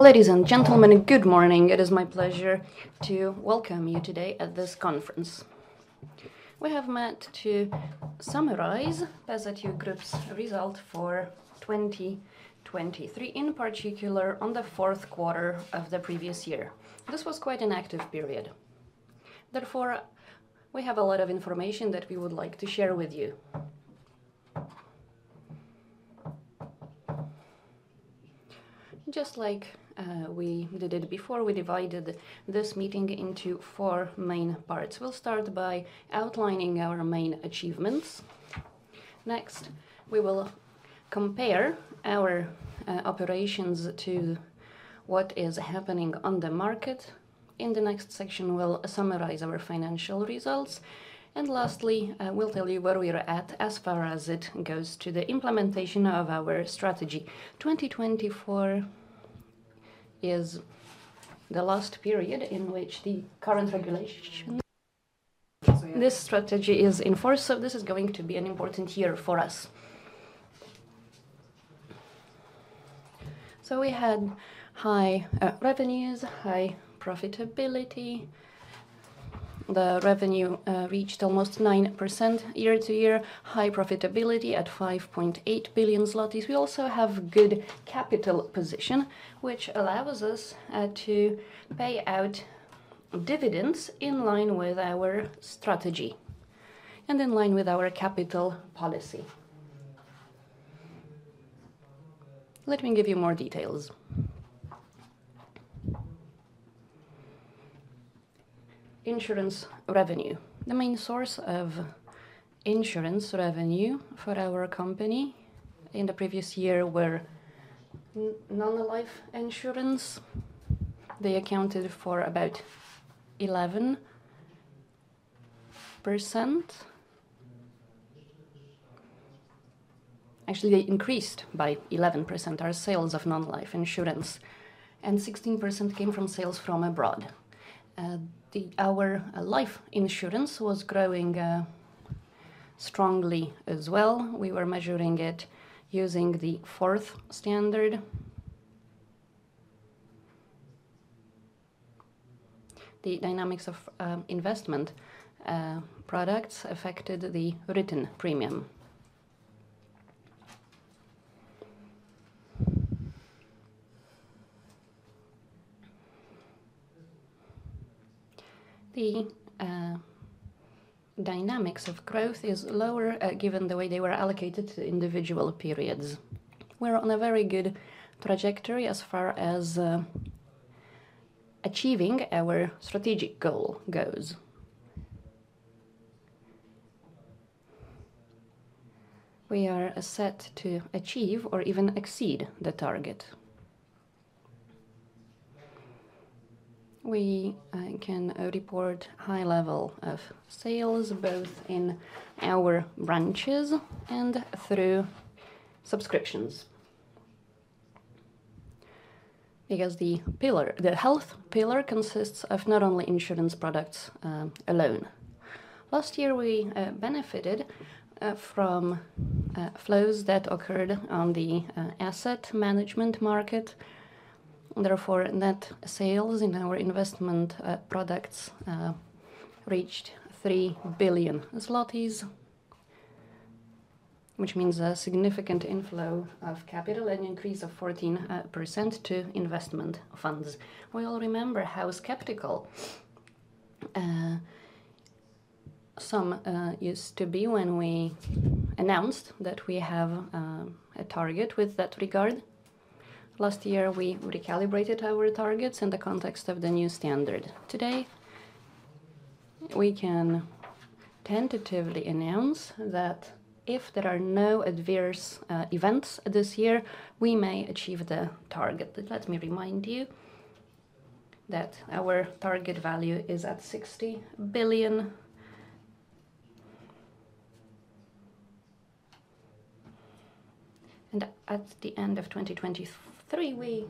Ladies and gentlemen, good morning. It is my pleasure to welcome you today at this conference. We have met to summarize PZU Group's result for 2023, in particular on the fourth quarter of the previous year. This was quite an active period. Therefore, we have a lot of information that we would like to share with you. Just like, we did it before, we divided this meeting into four main parts. We'll start by outlining our main achievements. Next, we will compare our, operations to what is happening on the market. In the next section, we'll summarize our financial results, and lastly, we'll tell you where we are at as far as it goes to the implementation of our strategy. 2024 is the last period in which the current regulation, this strategy is in force, so this is going to be an important year for us. So we had high revenues, high profitability. The revenue reached almost 9% year-over-year, high profitability at 5.8 billion zlotys. We also have good capital position, which allows us to pay out dividends in line with our strategy and in line with our capital policy. Let me give you more details. Insurance revenue. The main source of insurance revenue for our company in the previous year were non-life insurance. They accounted for about 11%. Actually, they increased by 11%, our sales of non-life insurance, and 16% came from sales from abroad. Our life insurance was growing strongly as well. We were measuring it using the IFRS 4 standard. The dynamics of investment products affected the written premium. The dynamics of growth is lower, given the way they were allocated to individual periods. We're on a very good trajectory as far as achieving our strategic goal goes. We are set to achieve or even exceed the target. We can report high level of sales, both in our branches and through subscriptions. Because the pillar, the health pillar consists of not only insurance products alone. Last year, we benefited from flows that occurred on the asset management market. Therefore, net sales in our investment products reached 3 billion zlotys, which means a significant inflow of capital, an increase of 14% to investment funds. We all remember how skeptical some used to be when we announced that we have a target with that regard. Last year, we recalibrated our targets in the context of the new standard. Today, we can tentatively announce that if there are no adverse events this year, we may achieve the target. Let me remind you that our target value is 60 billion. At the end of 2023, we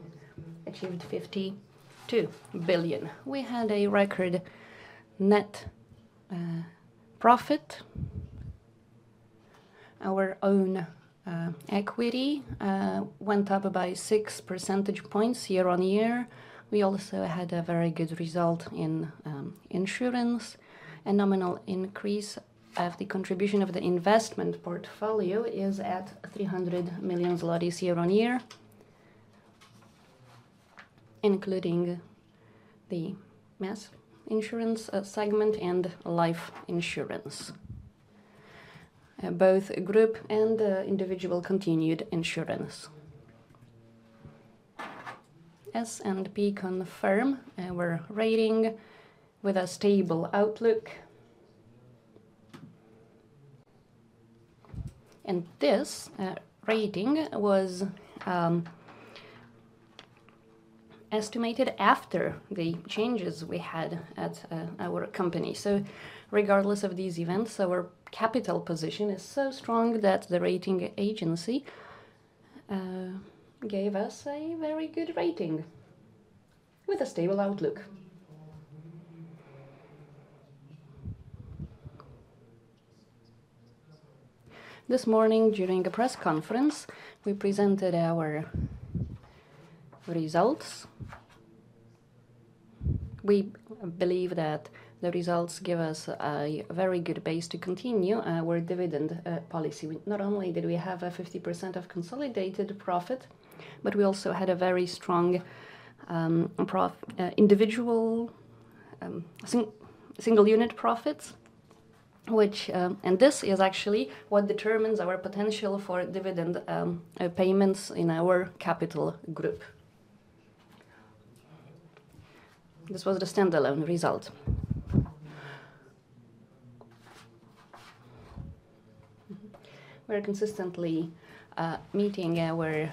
achieved 52 billion. We had a record net profit. Our own equity went up by 6 percentage points year-over-year. We also had a very good result in insurance. A nominal increase of the contribution of the investment portfolio is at 300 million zlotys year-over-year, including the mass insurance segment and life insurance, both group and individual continued insurance. S&P confirm our rating with a stable outlook. This rating was estimated after the changes we had at our company. Regardless of these events, our capital position is so strong that the rating agency gave us a very good rating with a stable outlook. This morning, during a press conference, we presented our results. We believe that the results give us a very good base to continue our dividend policy. Not only did we have 50% of consolidated profit, but we also had a very strong individual single unit profits, which? And this is actually what determines our potential for dividend payments in our capital group. This was the standalone result. We are consistently meeting our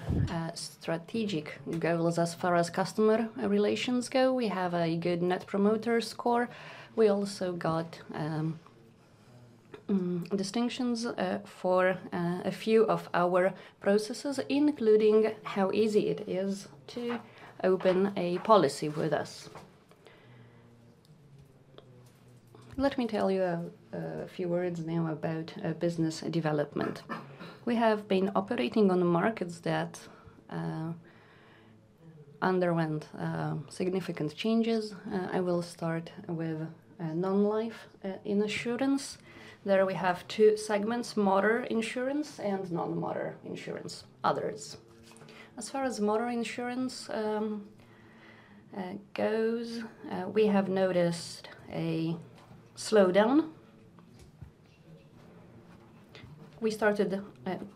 strategic goals as far as customer relations go. We have a good Net Promoter Score. We also got distinctions for a few of our processes, including how easy it is to open a policy with us. Let me tell you a few words now about business development. We have been operating on markets that underwent significant changes. I will start with non-life insurance. There we have two segments: motor insurance and non-motor insurance, others. As far as motor insurance goes, we have noticed a slowdown. We started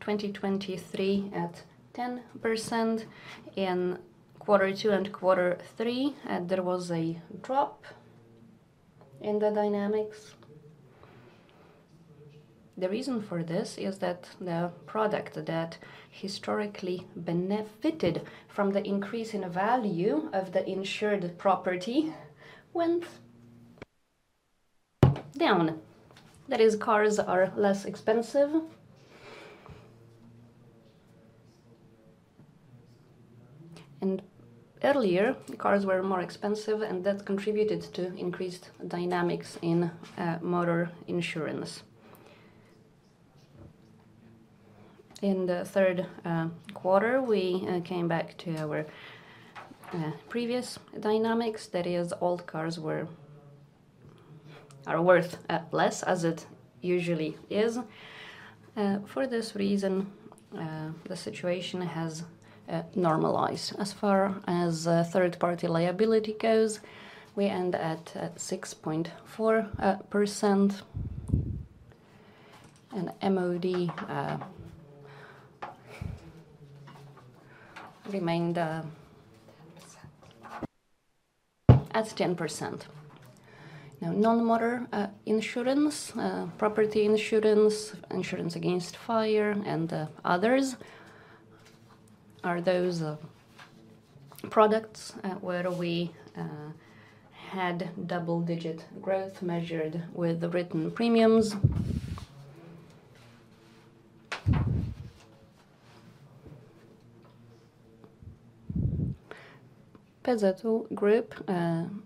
2023 at 10%. In quarter two and quarter three, there was a drop in the dynamics. The reason for this is that the product that historically benefited from the increase in value of the insured property went down. That is, cars are less expensive. Earlier, the cars were more expensive, and that contributed to increased dynamics in motor insurance. In the third quarter, we came back to our previous dynamics. That is, old cars were—are worth less, as it usually is. For this reason, the situation has normalized. As far as third-party liability goes, we end at 6.4%, and MOD remained at 10%. Now, non-motor insurance, property insurance, insurance against fire, and others are those products where we had double-digit growth measured with the written premiums. PZU Group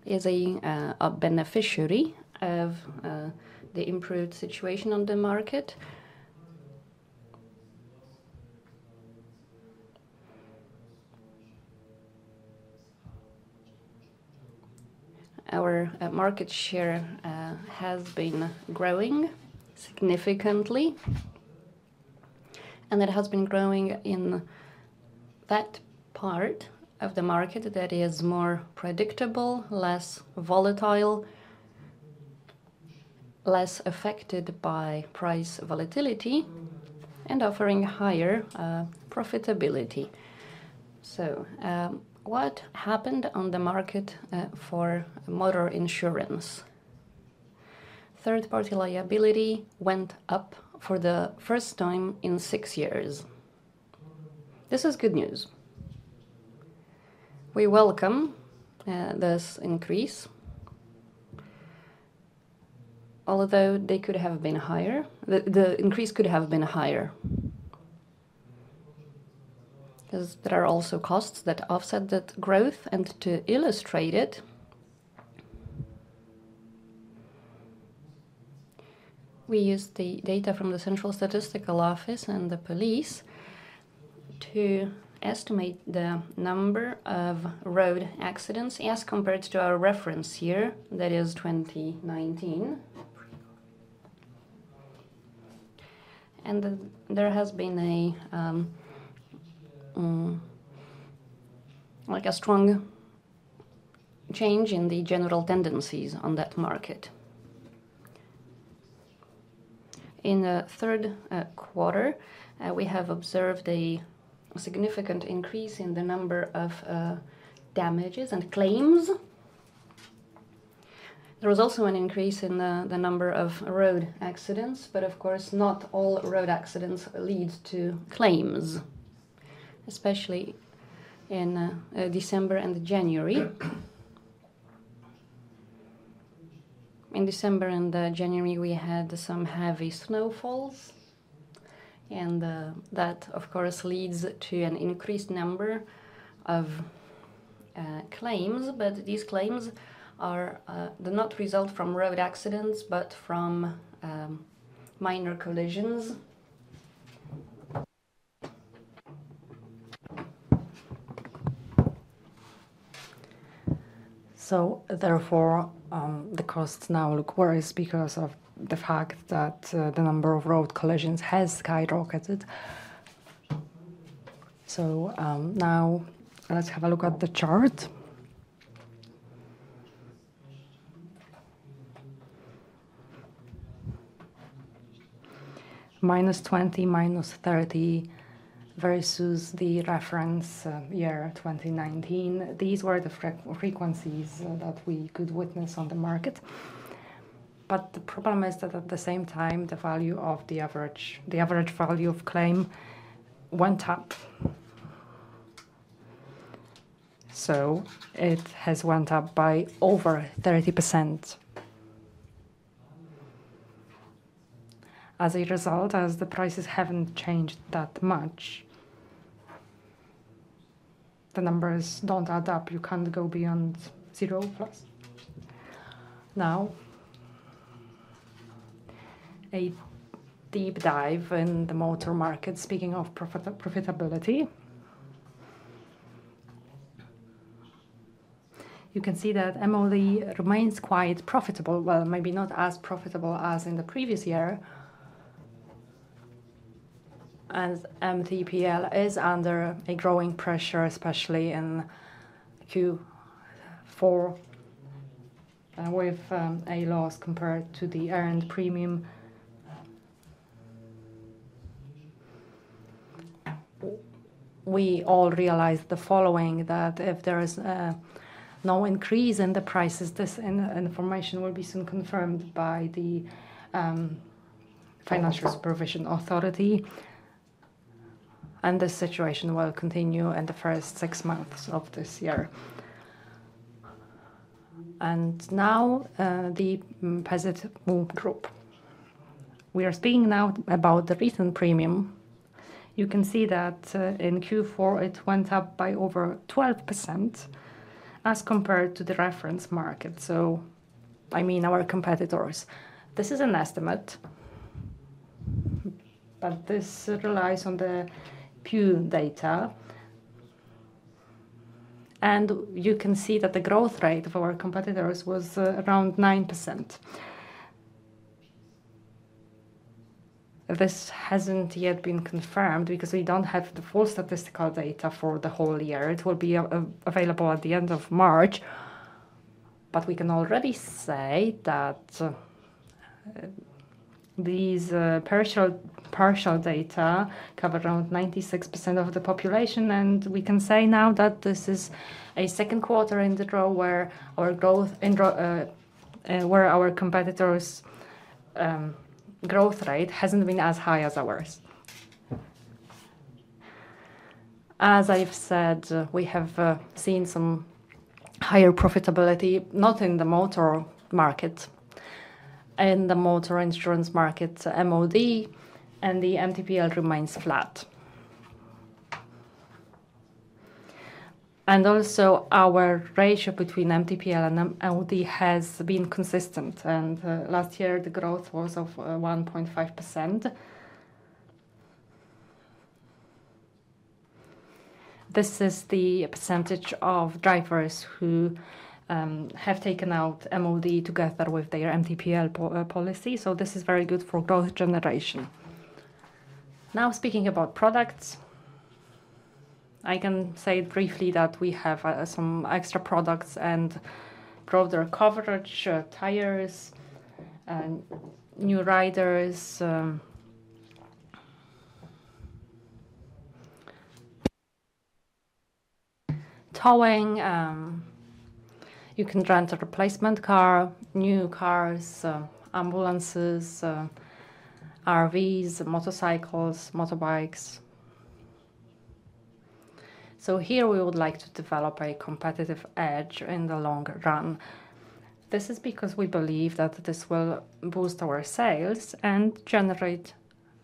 is a beneficiary of the improved situation on the market. Our market share has been growing significantly, and it has been growing in that part of the market that is more predictable, less volatile, less affected by price volatility, and offering higher profitability. So, what happened on the market for motor insurance? Third-party liability went up for the first time in six years. This is good news. We welcome this increase, although they could have been higher. The increase could have been higher, 'cause there are also costs that offset that growth. And to illustrate it, we used the data from the Central Statistical Office and the police to estimate the number of road accidents as compared to our reference year, that is, 2019. And then there has been like a strong change in the general tendencies on that market. In the third quarter, we have observed a significant increase in the number of damages and claims. There was also an increase in the number of road accidents, but of course, not all road accidents lead to claims, especially in December and January. In December and January, we had some heavy snowfalls, and that, of course, leads to an increased number of-... claims, but these claims do not result from road accidents, but from minor collisions. So therefore, the costs now look worse because of the fact that the number of road collisions has skyrocketed. So, now let's have a look at the chart. -20, -30 versus the reference year 2019. These were the frequencies that we could witness on the market. But the problem is that at the same time, the value of the average value of claim went up. So it has went up by over 30%. As a result, as the prices haven't changed that much, the numbers don't add up. You can't go beyond zero plus. Now, a deep dive in the motor market. Speaking of profitability, you can see that MOD remains quite profitable, well, maybe not as profitable as in the previous year. MTPL is under a growing pressure, especially in Q4, with a loss compared to the earned premium. We all realize the following, that if there is no increase in the prices, this information will be soon confirmed by the Financial Supervision Authority, and the situation will continue in the first six months of this year. Now, the PZU Group. We are speaking now about the recent premium. You can see that, in Q4, it went up by over 12% as compared to the reference market, so... I mean, our competitors. This is an estimate, but this relies on the pure data. You can see that the growth rate of our competitors was around 9%. This hasn't yet been confirmed because we don't have the full statistical data for the whole year. It will be available at the end of March, but we can already say that these partial data cover around 96% of the population, and we can say now that this is a second quarter in a row where our competitors' growth rate hasn't been as high as ours. As I've said, we have seen some higher profitability, not in the motor market. In the motor insurance market, MOD and the MTPL remains flat. Also, our ratio between MTPL and MOD has been consistent, and last year, the growth was 1.5%. This is the percentage of drivers who have taken out MOD together with their MTPL policy, so this is very good for both generation. Now, speaking about products, I can say briefly that we have some extra products and broader coverage, tires and new riders, towing, you can rent a replacement car, new cars, ambulances, RVs, motorcycles, motorbikes. So here, we would like to develop a competitive edge in the long run. This is because we believe that this will boost our sales and generate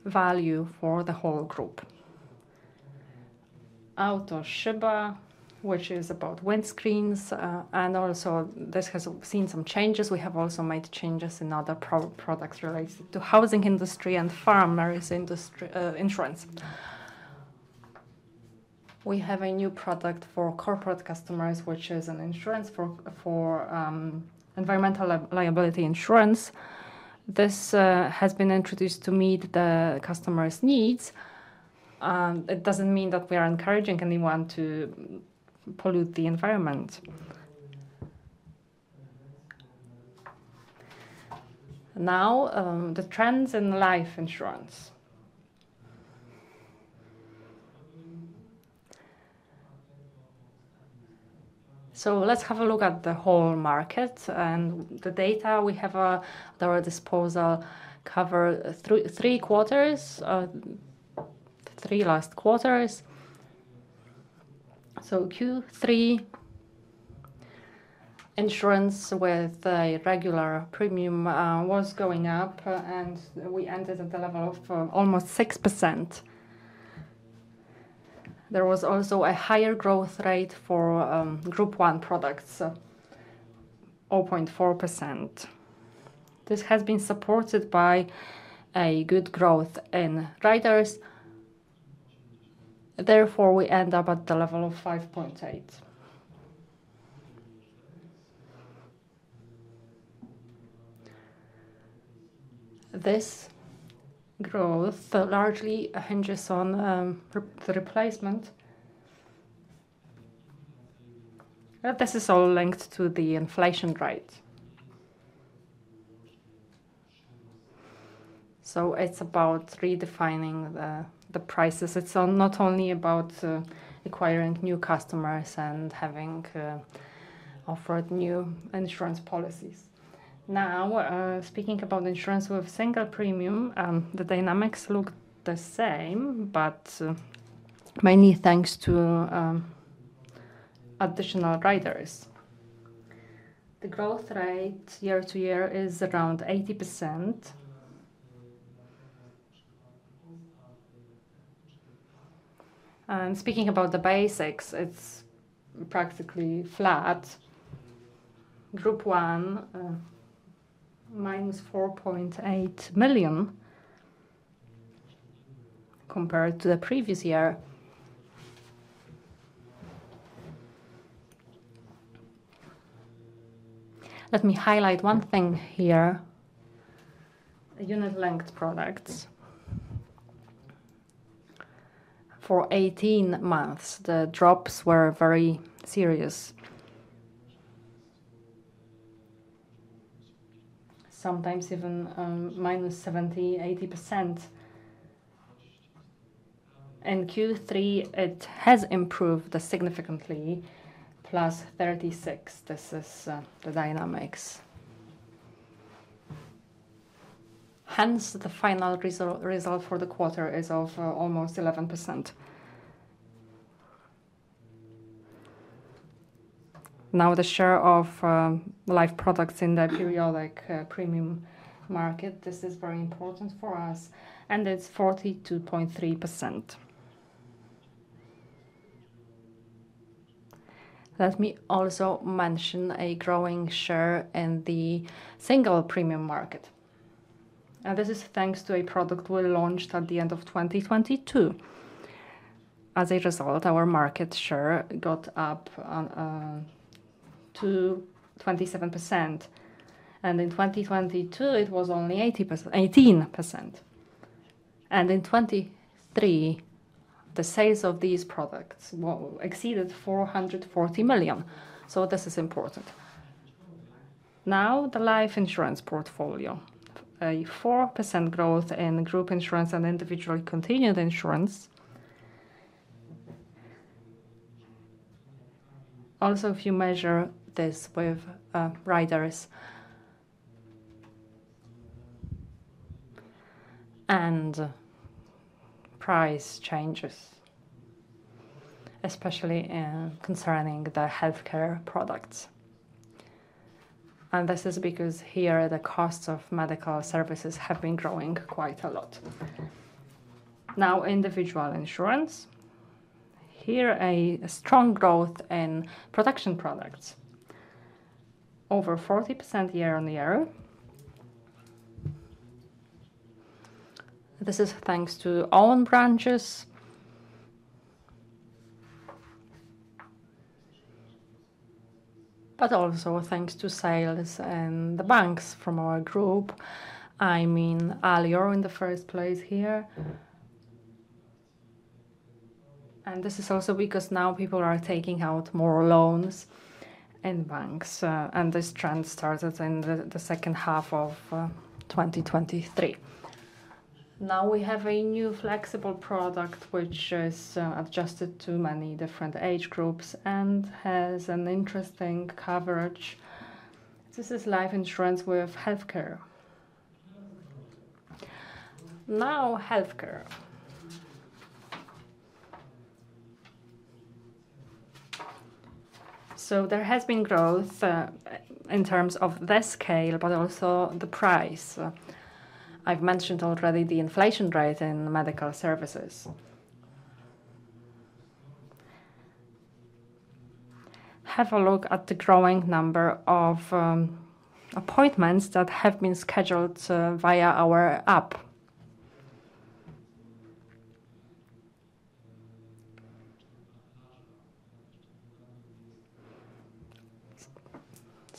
value for the whole group. Auto Szyba, which is about windscreens, and also this has seen some changes. We have also made changes in other products related to housing industry and farmers industry insurance. We have a new product for corporate customers, which is an insurance for environmental liability insurance. This has been introduced to meet the customers' needs. It doesn't mean that we are encouraging anyone to pollute the environment. Now, the trends in life insurance. So let's have a look at the whole market, and the data we have at our disposal cover three quarters, three last quarters. So Q3 insurance with a regular premium was going up, and we ended at the level of almost 6%. There was also a higher growth rate for Group 1 products, 0.4%. This has been supported by a good growth in riders, therefore we end up at the level of 5.8. This growth largely hinges on the replacement. This is all linked to the inflation rate. So it's about redefining the prices. It's not only about acquiring new customers and having offered new insurance policies. Now, speaking about insurance with single premium, the dynamics look the same, but mainly thanks to additional riders. The growth rate year-over-year is around 80%. And speaking about the basics, it's practically flat. Group 1, minus PLN 4.8 million compared to the previous year. Let me highlight one thing here: unit-linked products. For 18 months, the drops were very serious. Sometimes even minus 70, 80%. In Q3, it has improved significantly, +36. This is the dynamics. Hence, the final result for the quarter is almost 11%. Now, the share of life products in the periodic premium market, this is very important for us, and it's 42.3%. Let me also mention a growing share in the single premium market, and this is thanks to a product we launched at the end of 2022. As a result, our market share got up on to 27%, and in 2022 it was only 18%, and in 2023, the sales of these products exceeded 440 million. So this is important. Now, the life insurance portfolio, a 4% growth in group insurance and individual continued insurance. Also, if you measure this with riders and price changes, especially in concerning the healthcare products, and this is because here the costs of medical services have been growing quite a lot. Now, individual insurance. Here, a strong growth in protection products, over 40% year-on-year. This is thanks to own branches, but also thanks to sales and the banks from our group. I mean, Alior in the first place here. And this is also because now people are taking out more loans in banks, and this trend started in the second half of 2023. Now, we have a new flexible product, which is adjusted to many different age groups and has an interesting coverage. This is life insurance with healthcare. Now, healthcare. So there has been growth in terms of the scale, but also the price. I've mentioned already the inflation rate in medical services. Have a look at the growing number of appointments that have been scheduled via our app.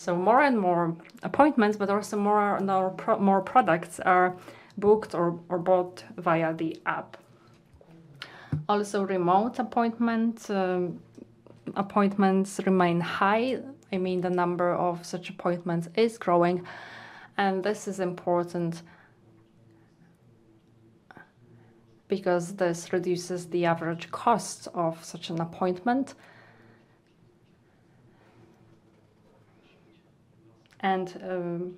So more and more appointments, but also more and more products are booked or bought via the app. Also, remote appointments remain high. I mean, the number of such appointments is growing, and this is important because this reduces the average cost of such an appointment. And,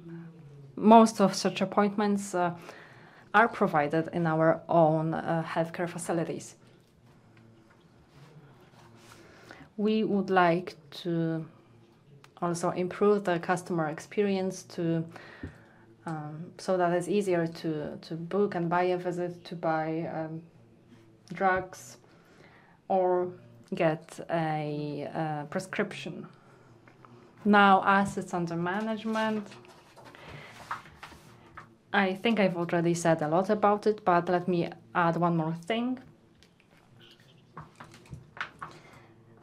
most of such appointments are provided in our own healthcare facilities.... We would like to also improve the customer experience to so that it's easier to book and buy a visit, to buy drugs or get a prescription. Now, assets under management. I think I've already said a lot about it, but let me add one more thing.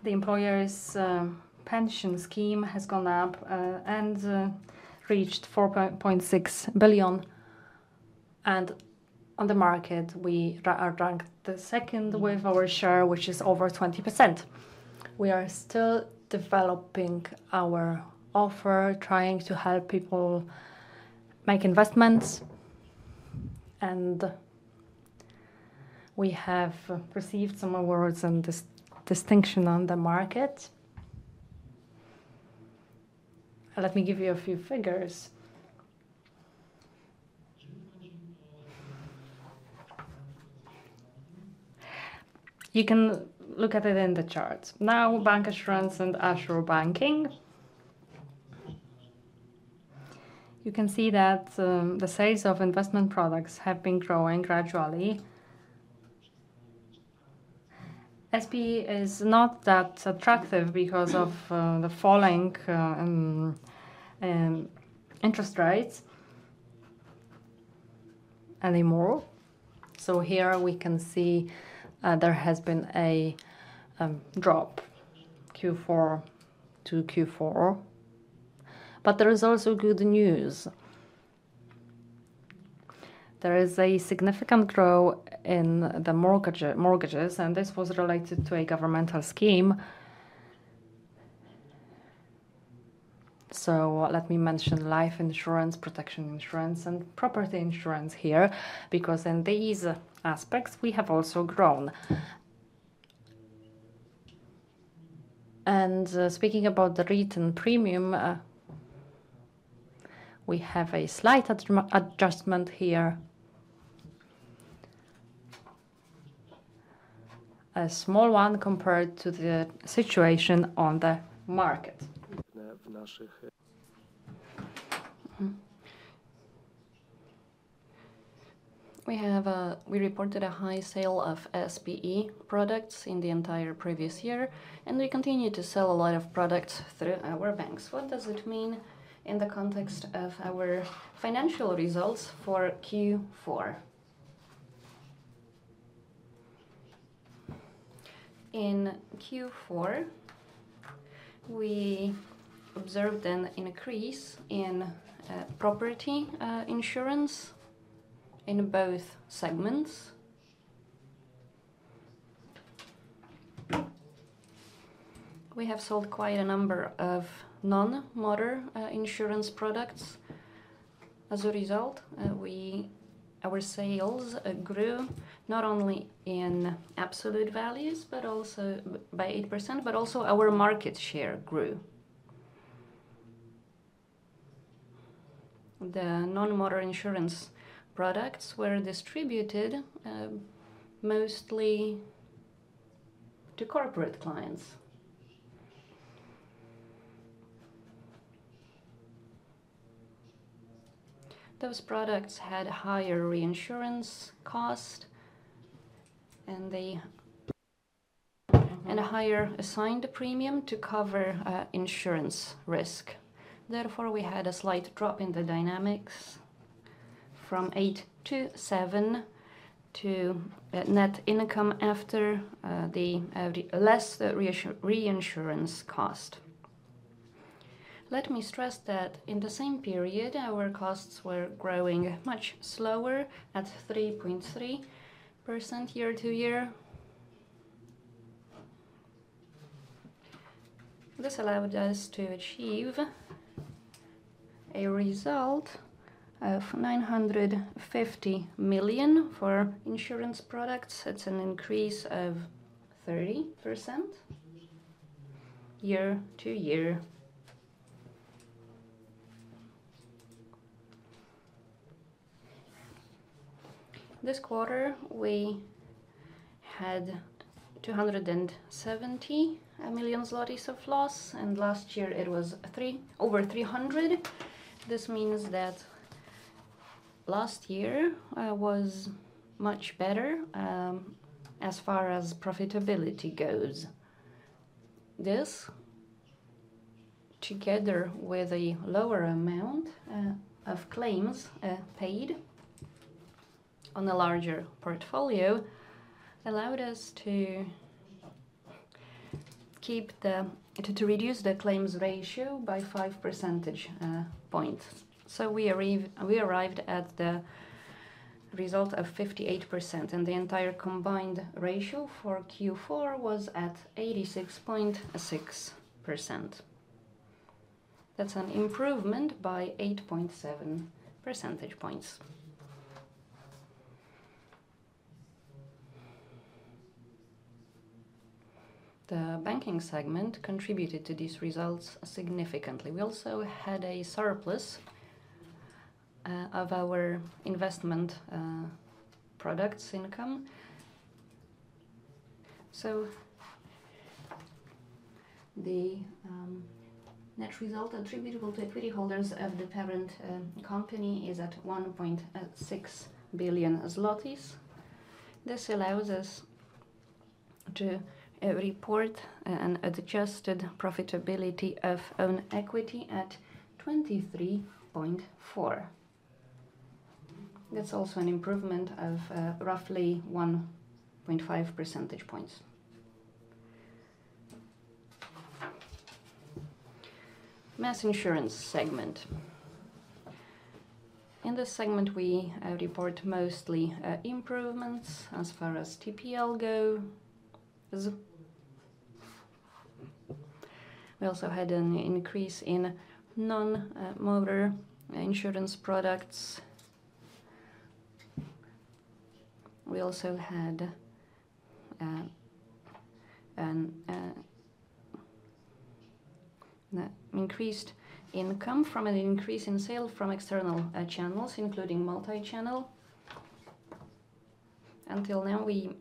The employer's pension scheme has gone up and reached 4.6 billion, and on the market, we are ranked second with our share, which is over 20%. We are still developing our offer, trying to help people make investments, and we have received some awards and distinction on the market. Let me give you a few figures. You can look at it in the charts. Now, bancassurance and uncertain. You can see that the sales of investment products have been growing gradually. SP is not that attractive because of the falling interest rates anymore. So here we can see there has been a drop, Q4 to Q4. But there is also good news. There is a significant growth in the mortgages, and this was related to a governmental scheme. So let me mention life insurance, protection insurance, and property insurance here, because in these aspects, we have also grown. And speaking about the written premium, we have a slight adjustment here. A small one compared to the situation on the marke. We reported a high sale of SP products in the entire previous year, and we continue to sell a lot of products through our banks. What does it mean in the context of our financial results for Q4? In Q4, we observed an increase in property insurance in both segments. We have sold quite a number of non-motor insurance products. As a result, our sales grew not only in absolute values, but also by 8%, but also our market share grew. The non-motor insurance products were distributed mostly to corporate clients. Those products had higher reinsurance cost, and a higher assigned premium to cover insurance risk. Therefore, we had a slight drop in the dynamics from 8 to 7 to net income after the less reinsurance cost. Let me stress that in the same period, our costs were growing much slower, at 3.3% year-over-year. This allowed us to achieve a result of 950 million for insurance products. That's an increase of 30% year-over-year. This quarter, we had 270 million zlotys of loss, and last year it was over 300. This means that last year was much better as far as profitability goes. This, together with a lower amount of claims paid on a larger portfolio, allowed us to reduce the claims ratio by 5 percentage points. So we arrived at the result of 58%, and the entire combined ratio for Q4 was at 86.6%. That's an improvement by 8.7 percentage points. The banking segment contributed to these results significantly. We also had a surplus of our investment products income. So the net result attributable to equity holders of the parent company is at 1.6 billion zlotys. This allows us to report an adjusted profitability of own equity at 23.4. That's also an improvement of roughly 1.5 percentage points. Mass insurance segment. In this segment, we report mostly improvements as far as TPL go. We also had an increase in non-motor insurance products. We also had an increased income from an increase in sale from external channels, including multi-channel. Until now, we've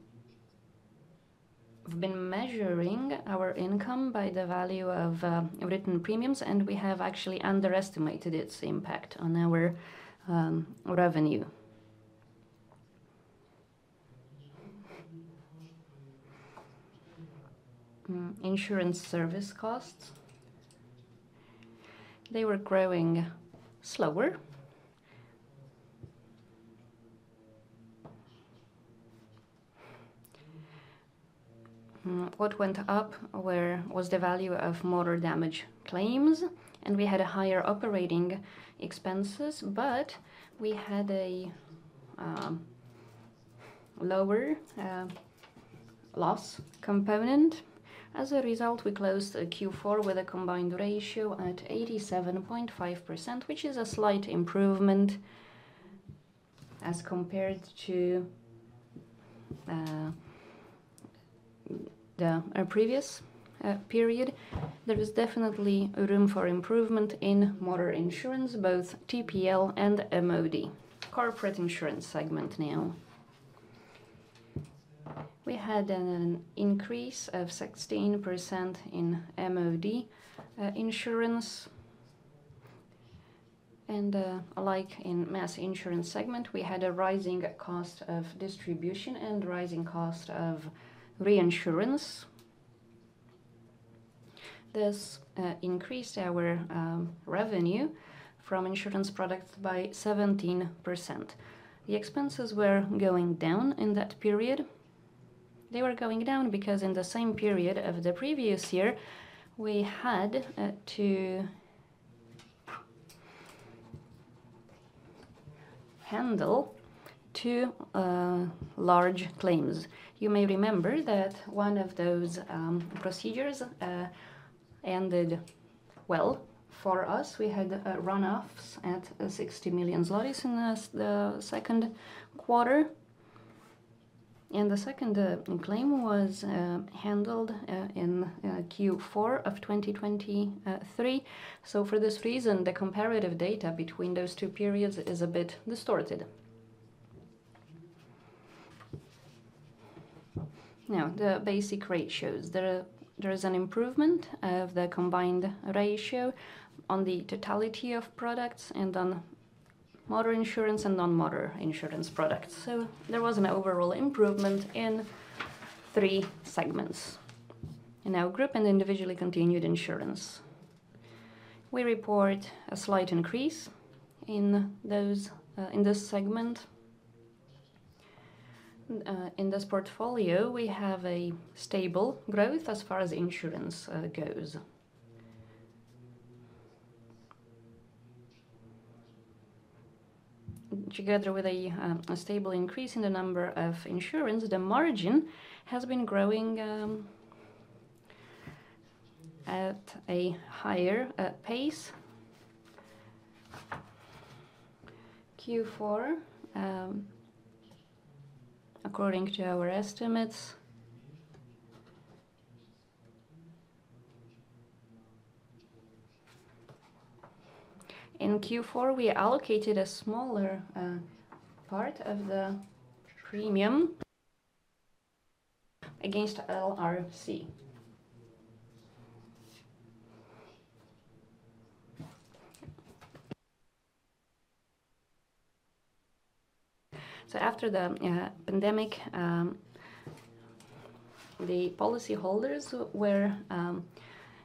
been measuring our income by the value of written premiums, and we have actually underestimated its impact on our revenue. Insurance service costs, they were growing slower. What went up was the value of motor damage claims, and we had higher operating expenses, but we had a lower loss component. As a result, we closed Q4 with a combined ratio at 87.5%, which is a slight improvement as compared to the previous period. There is definitely room for improvement in motor insurance, both TPL and MOD. Corporate insurance segment now. We had an increase of 16% in MOD insurance. And, like in mass insurance segment, we had a rising cost of distribution and rising cost of reinsurance. This increased our revenue from insurance products by 17%. The expenses were going down in that period. They were going down because in the same period of the previous year, we had to handle two large claims. You may remember that one of those procedures ended well for us. We had runoffs at 60 million zlotys in the second quarter, and the second claim was handled in Q4 of 2023. So for this reason, the comparative data between those two periods is a bit distorted. Now, the basic ratios. There is an improvement of the combined ratio on the totality of products and on Together with a stable increase in the number of insurance, the margin has been growing at a higher pace. Q4 according to our estimates. In Q4, we allocated a smaller part of the premium against LRC. So after the pandemic, the policyholders were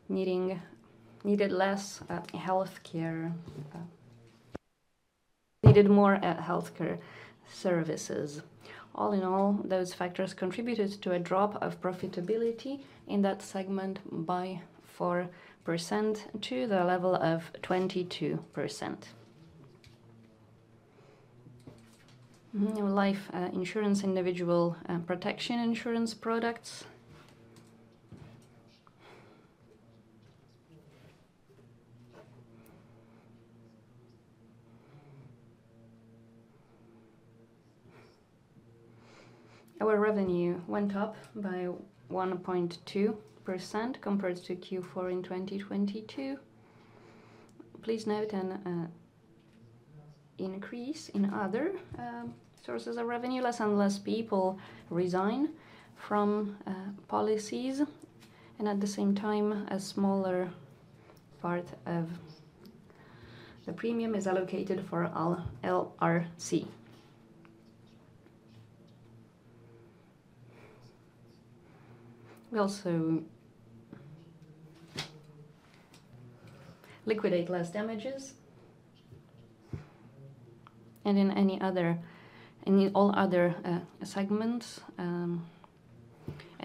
needing-- needed less healthcare. Needed more healthcare services. All in all, those factors contributed to a drop of profitability in that segment by 4% to the level of 22%. Mm, life insurance, individual protection insurance products. Our revenue went up by 1.2% compared to Q4 in 2022. Please note an increase in other sources of revenue. Less and less people resign from policies, and at the same time, a smaller part of the premium is allocated for all LRC. We also liquidate less damages. In all other segments, and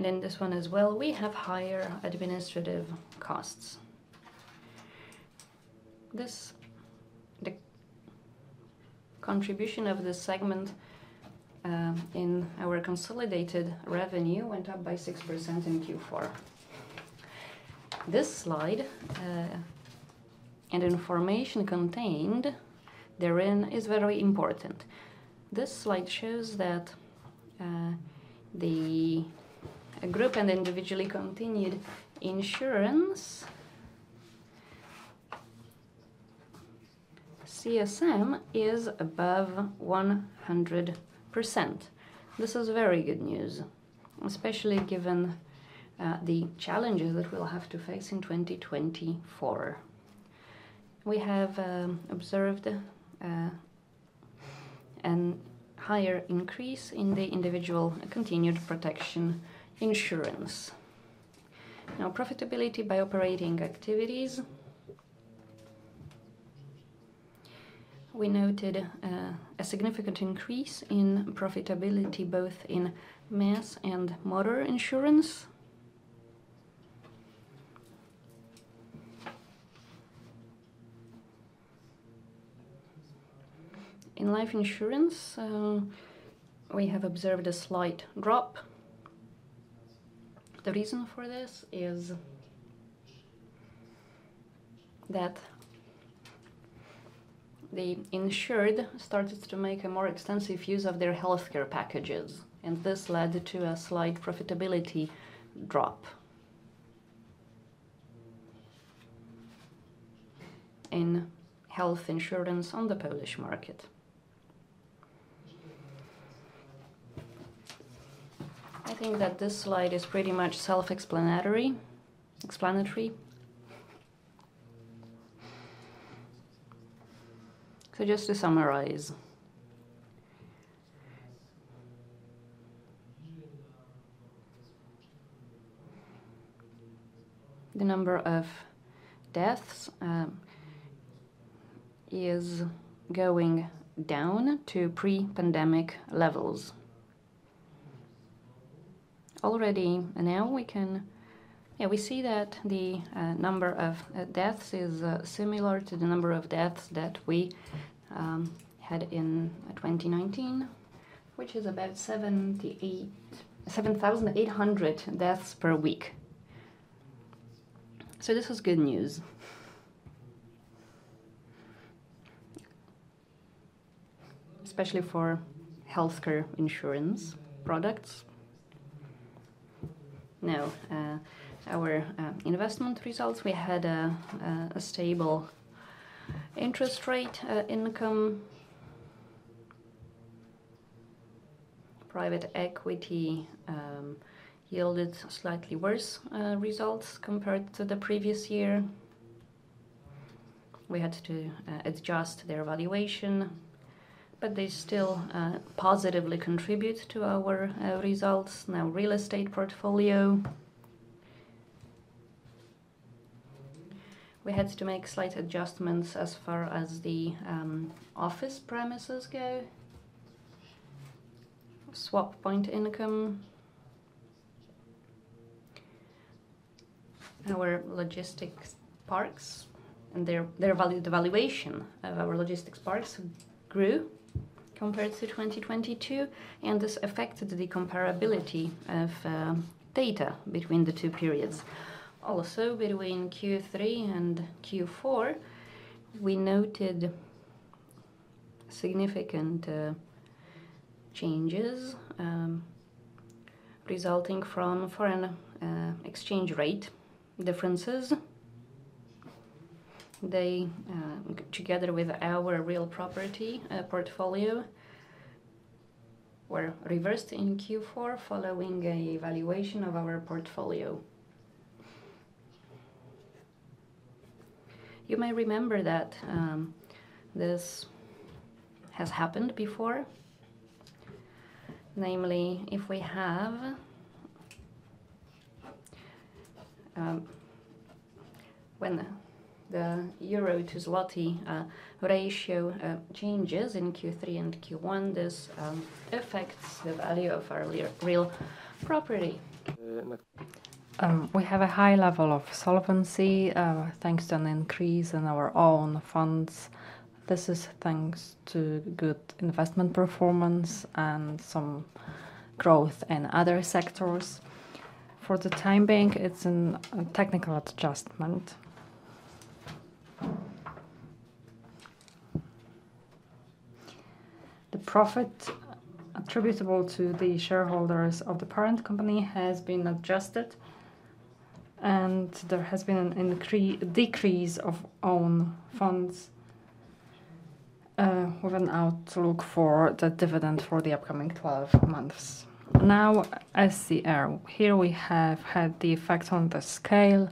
in this one as well, we have higher administrative costs. The contribution of this segment in our consolidated revenue went up by 6% in Q4. This slide and information contained therein is very important. This slide shows that the group and individual continued insurance CSM is above 100%. This is very good news, especially given the challenges that we'll have to face in 2024. We have observed a higher increase in the individual continued protection insurance. Now, profitability by operating activities. We noted a significant increase in profitability both in mass and motor insurance. In life insurance, we have observed a slight drop. The reason for this is that the insured started to make a more extensive use of their healthcare packages, and this led to a slight profitability drop in health insurance on the Polish market. I think that this slide is pretty much self-explanatory. So just to summarize, the number of deaths is going down to pre-pandemic levels. Already now we can... Yeah, we see that the number of deaths is similar to the number of deaths that we had in 2019, which is about 7,800 deaths per week. So this is good news, especially for healthcare insurance products. Now, our investment results, we had a stable interest rate income. Private equity yielded slightly worse results compared to the previous year. We had to adjust their valuation, but they still positively contribute to our results. Now, real estate portfolio. We had to make slight adjustments as far as the office premises go. Swap point income. Our logistics parks and their value... The valuation of our logistics parks grew compared to 2022, and this affected the comparability of data between the two periods. Also, between Q3 and Q4, we noted significant changes resulting from foreign exchange rate differences. They together with our real property portfolio were reversed in Q4 following a valuation of our portfolio. You may remember that this has happened before, namely, when the euro to zloty ratio changes in Q3 and Q1, this affects the value of our real property. We have a high level of solvency, thanks to an increase in our own funds. This is thanks to good investment performance and some growth in other sectors. For the time being, it's a technical adjustment.... The profit attributable to the shareholders of the parent company has been adjusted, and there has been a decrease of own funds, with an outlook for the dividend for the upcoming twelve months. Now, SCR. Here we have had the effects on the scale,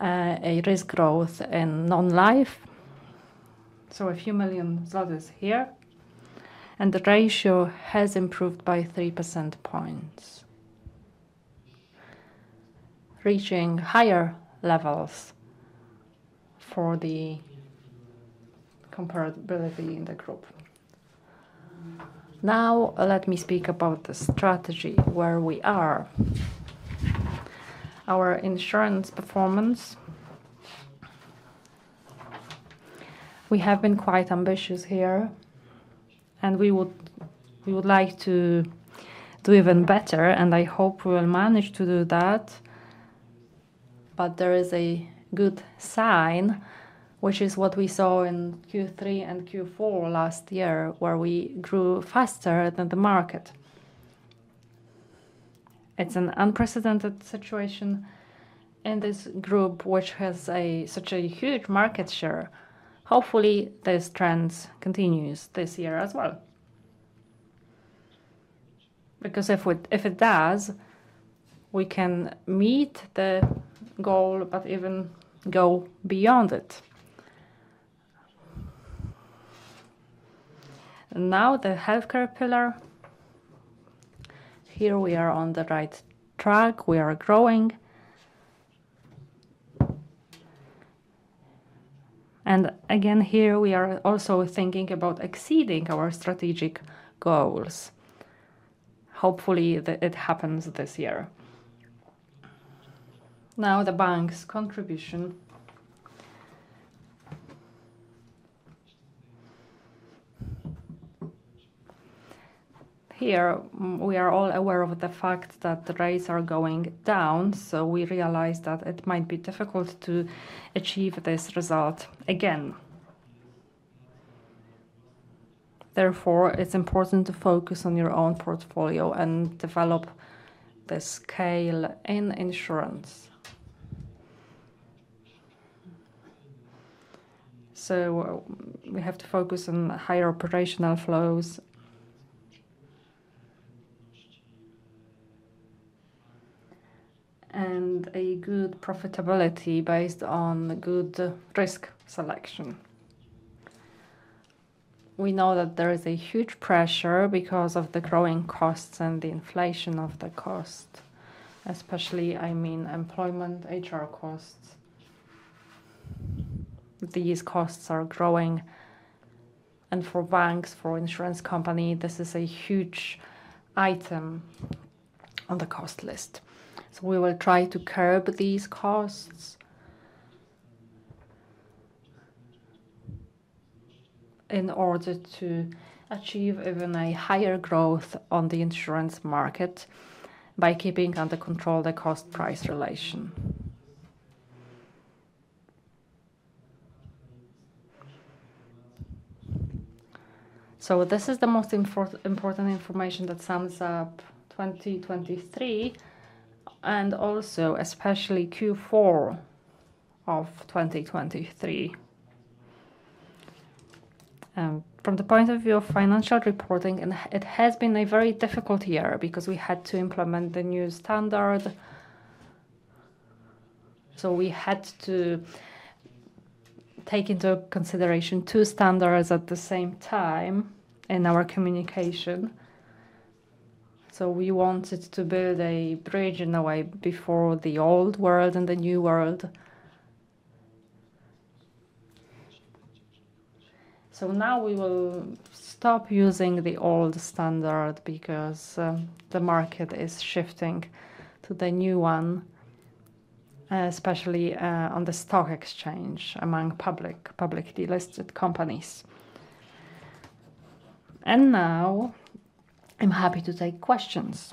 a risk growth in non-life, so a few million PLN here, and the ratio has improved by 3 percentage points, reaching higher levels for the comparability in the group. Now, let me speak about the strategy, where we are. Our insurance performance. We have been quite ambitious here, and we would, we would like to do even better, and I hope we will manage to do that. But there is a good sign, which is what we saw in Q3 and Q4 last year, where we grew faster than the market. It's an unprecedented situation in this group, which has such a huge market share. Hopefully, this trend continues this year as well. Because if it does, we can meet the goal, but even go beyond it. Now, the healthcare pillar. Here we are on the right track. We are growing. And again, here we are also thinking about exceeding our strategic goals. Hopefully, it happens this year. Now, the bank's contribution. Here, we are all aware of the fact that the rates are going down, so we realize that it might be difficult to achieve this result again. Therefore, it's important to focus on your own portfolio and develop the scale in insurance. So we have to focus on higher operational flows and a good profitability based on good risk selection. We know that there is a huge pressure because of the growing costs and the inflation of the cost, especially, I mean, employment, HR costs. These costs are growing, and for banks, for insurance company, this is a huge item on the cost list. So we will try to curb these costs in order to achieve even a higher growth on the insurance market by keeping under control the cost-price relation. So this is the most important information that sums up 2023, and also especially Q4 of 2023. From the point of view of financial reporting, it has been a very difficult year because we had to implement the new standard. So we had to take into consideration two standards at the same time in our communication. So we wanted to build a bridge, in a way, before the old world and the new world. So now we will stop using the old standard because, the market is shifting to the new one, especially, on the stock exchange among public, publicly listed companies. And now, I'm happy to take questions.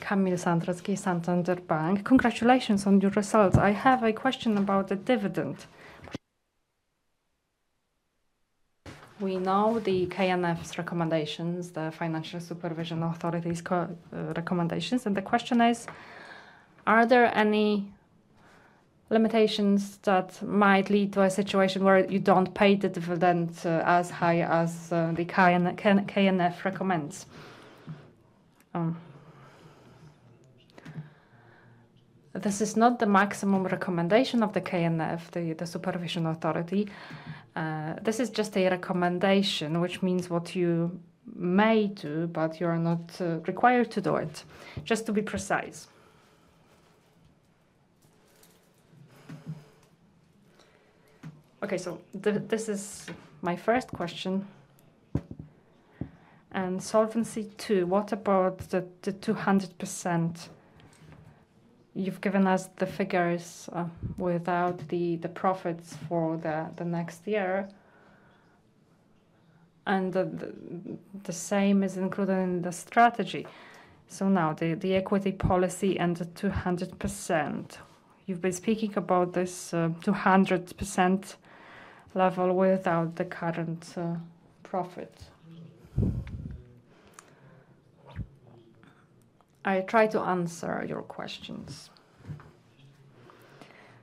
Kamil Stolarski, Santander Bank. Congratulations on your results. I have a question about the dividend. We know the KNF's recommendations, the Financial Supervision Authority's recommendations, and the question is: Are there any limitations that might lead to a situation where you don't pay the dividend, as high as, the KNF recommends? This is not the maximum recommendation of the KNF, the Supervision Authority. This is just a recommendation, which means what you may do, but you're not required to do it, just to be precise. Okay, so this is my first question. And Solvency II, what about the 200%?...You've given us the figures without the profits for the next year, and the same is included in the strategy. So now the equity policy and the 200%. You've been speaking about this 200% level without the current profit. I try to answer your questions.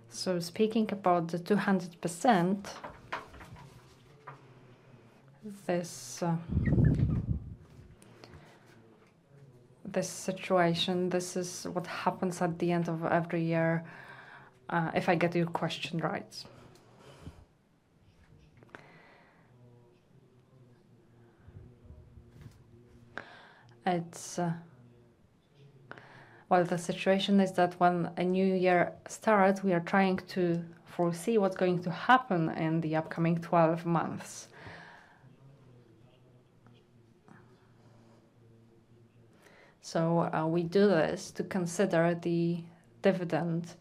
So speaking about the 200%, this situation, this is what happens at the end of every year, if I get your question right. It's... Well, the situation is that when a new year starts, we are trying to foresee what's going to happen in the upcoming 12 months. So, we do this to consider the dividend,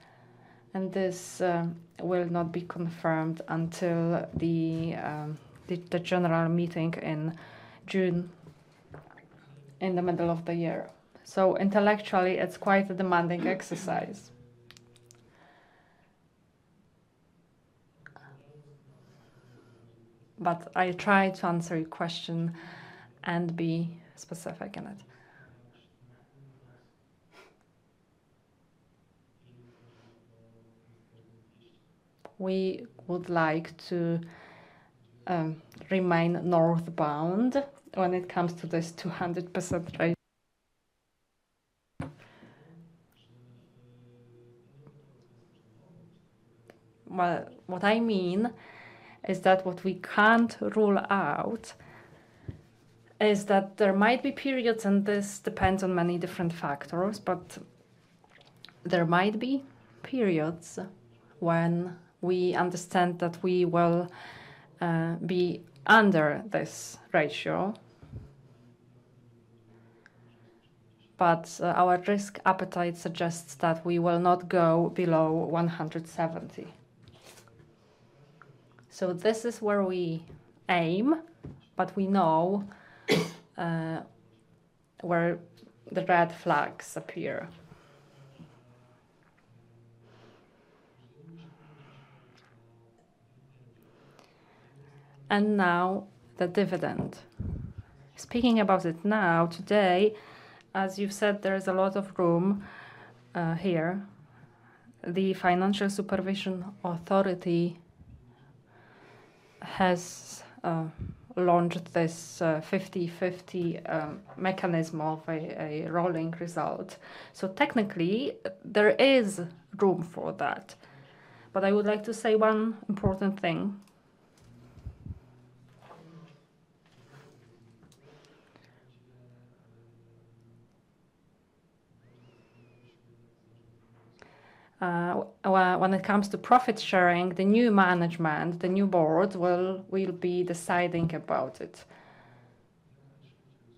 and this will not be confirmed until the general meeting in June, in the middle of the year. So intellectually, it's quite a demanding exercise. But I try to answer your question and be specific in it. We would like to remain northbound when it comes to this 200% rate. Well, what I mean is that what we can't rule out is that there might be periods, and this depends on many different factors, but there might be periods when we understand that we will be under this ratio. But our risk appetite suggests that we will not go below 170. So this is where we aim, but we know where the red flags appear. And now the dividend. Speaking about it now, today, as you've said, there is a lot of room here. The Financial Supervision Authority has launched this 50/50 mechanism of a rolling result. So technically, there is room for that, but I would like to say one important thing. When it comes to profit sharing, the new management, the new board, will be deciding about it.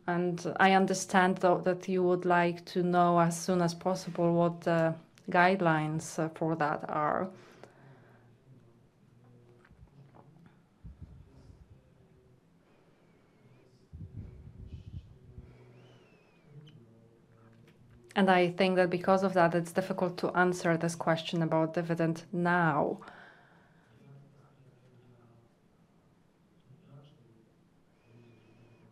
I understand, though, that you would like to know as soon as possible what the guidelines for that are. I think that because of that, it's difficult to answer this question about dividend now.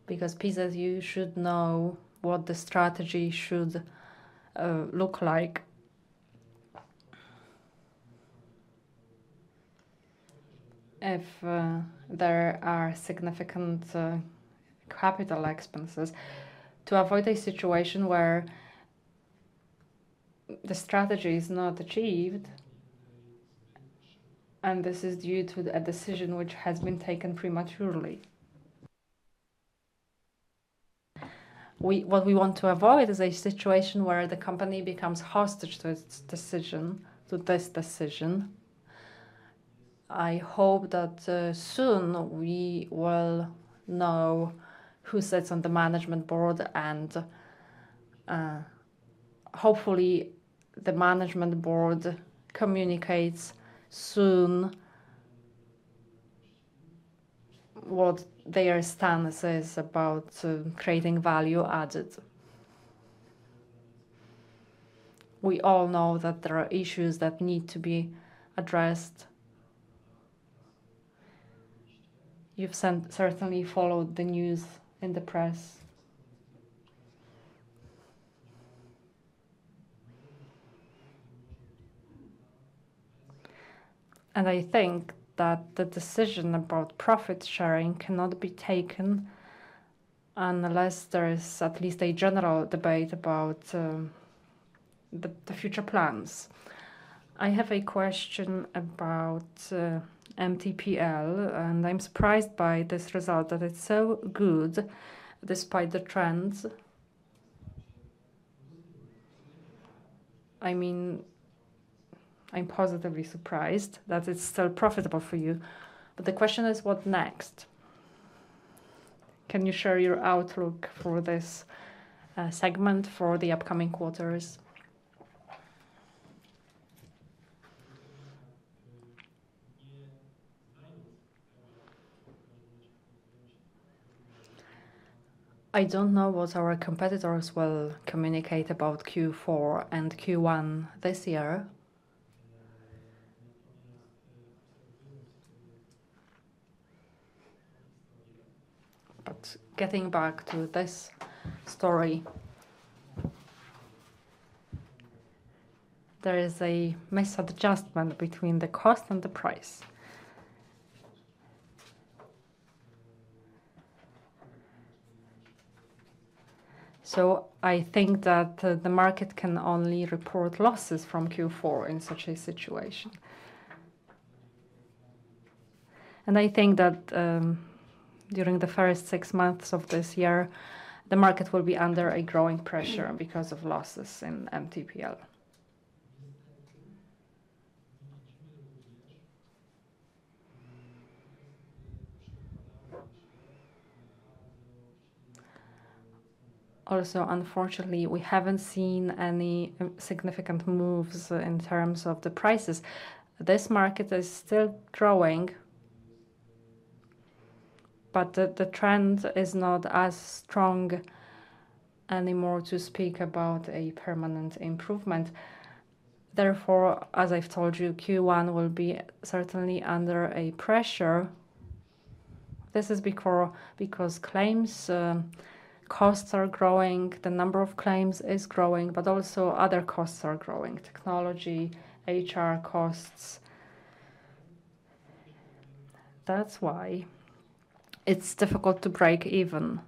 Because, yes, you should know what the strategy should look like. If there are significant capital expenses, to avoid a situation where the strategy is not achieved, and this is due to a decision which has been taken prematurely. What we want to avoid is a situation where the company becomes hostage to its decision, to this decision. I hope that soon we will know who sits on the management board and hopefully the management board communicates soon what their stance is about creating value added. We all know that there are issues that need to be addressed. You've certainly followed the news in the press. I think that the decision about profit sharing cannot be taken unless there is at least a general debate about the future plans. I have a question about MTPL, and I'm surprised by this result, that it's so good despite the trends. I mean, I'm positively surprised that it's still profitable for you, but the question is: What next?... can you share your outlook for this, segment for the upcoming quarters? I don't know what our competitors will communicate about Q4 and Q1 this year. But getting back to this story, there is a misadjustment between the cost and the price. So I think that the market can only report losses from Q4 in such a situation. And I think that during the first six months of this year, the market will be under a growing pressure because of losses in MTPL. Also, unfortunately, we haven't seen any significant moves in terms of the prices. This market is still growing, but the trend is not as strong anymore to speak about a permanent improvement. Therefore, as I've told you, Q1 will be certainly under a pressure. This is because claims costs are growing, the number of claims is growing, but also other costs are growing: technology, HR costs. That's why it's difficult to break even.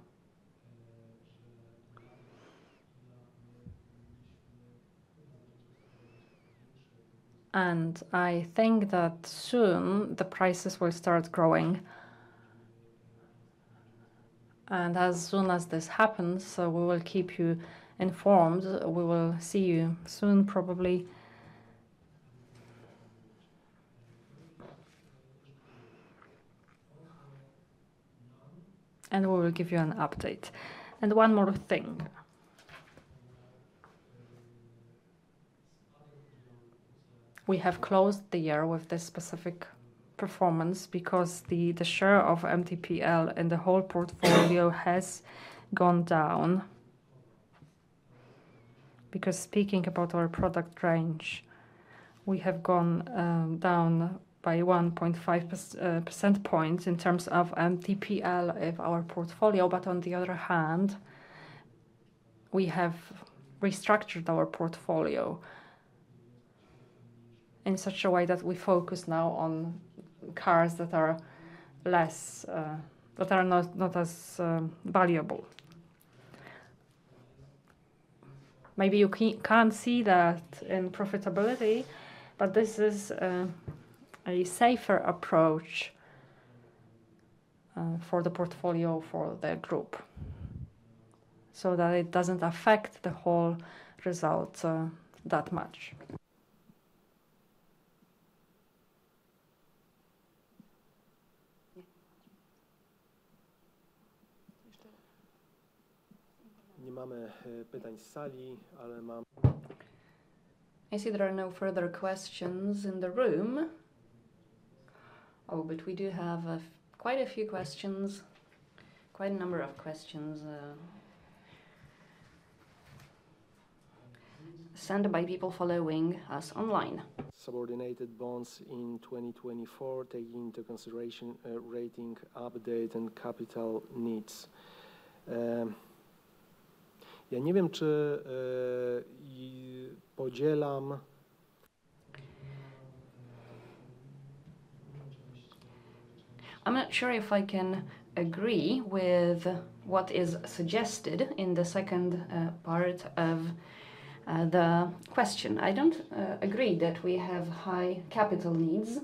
I think that soon the prices will start growing. As soon as this happens, we will keep you informed. We will see you soon, probably. We will give you an update. One more thing, we have closed the year with this specific performance because the share of MTPL in the whole portfolio has gone down. Because speaking about our product range, we have gone down by 1.5 percentage points in terms of MTPL in our portfolio. But on the other hand, we have restructured our portfolio in such a way that we focus now on cars that are less that are not as valuable. Maybe you can't see that in profitability, but this is a safer approach for the portfolio for the group, so that it doesn't affect the whole result that much. I see there are no further questions in the room. Oh, but we do have, quite a few questions, quite a number of questions, sent by people following us online.... subordinated bonds in 2024, taking into consideration rating update, and capital needs. I'm not sure if I can agree with what is suggested in the second part of the question. I don't agree that we have high capital needs,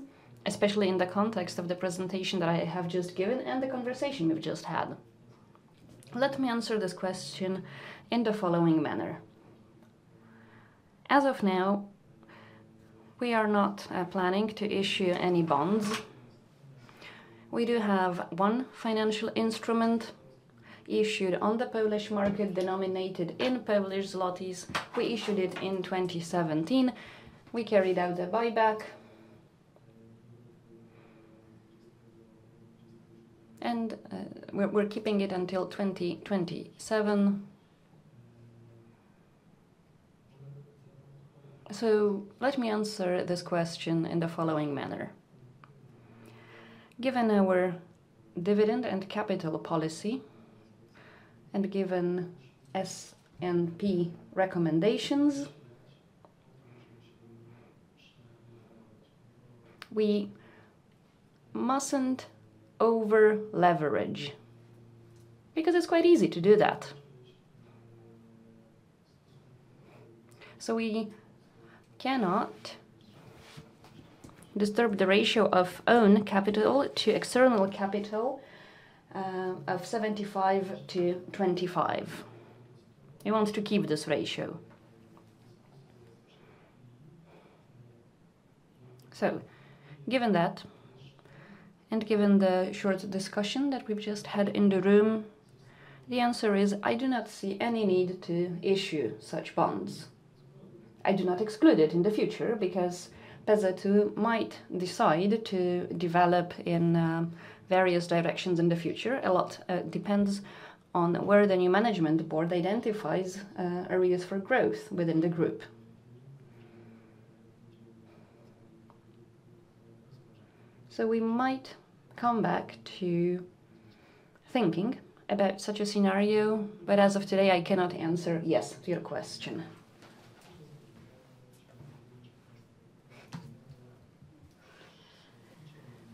especially in the context of the presentation that I have just given and the conversation we've just had. Let me answer this question in the following manner: as of now, we are not planning to issue any bonds. We do have one financial instrument issued on the Polish market, denominated in Polish zlotys. We issued it in 2017. We carried out the buyback and we're keeping it until 2027. So let me answer this question in the following manner: given our dividend and capital policy, and given S&P recommendations, we mustn't over-leverage, because it's quite easy to do that. So we cannot disturb the ratio of own capital to external capital of 75 to 25. We want to keep this ratioSo given that, and given the short discussion that we've just had in the room, the answer is, I do not see any need to issue such bonds. I do not exclude it in the future because PZU might decide to develop in various directions in the future. A lot depends on where the new management board identifies areas for growth within the group. So we might come back to thinking about such a scenario, but as of today, I cannot answer yes to your question.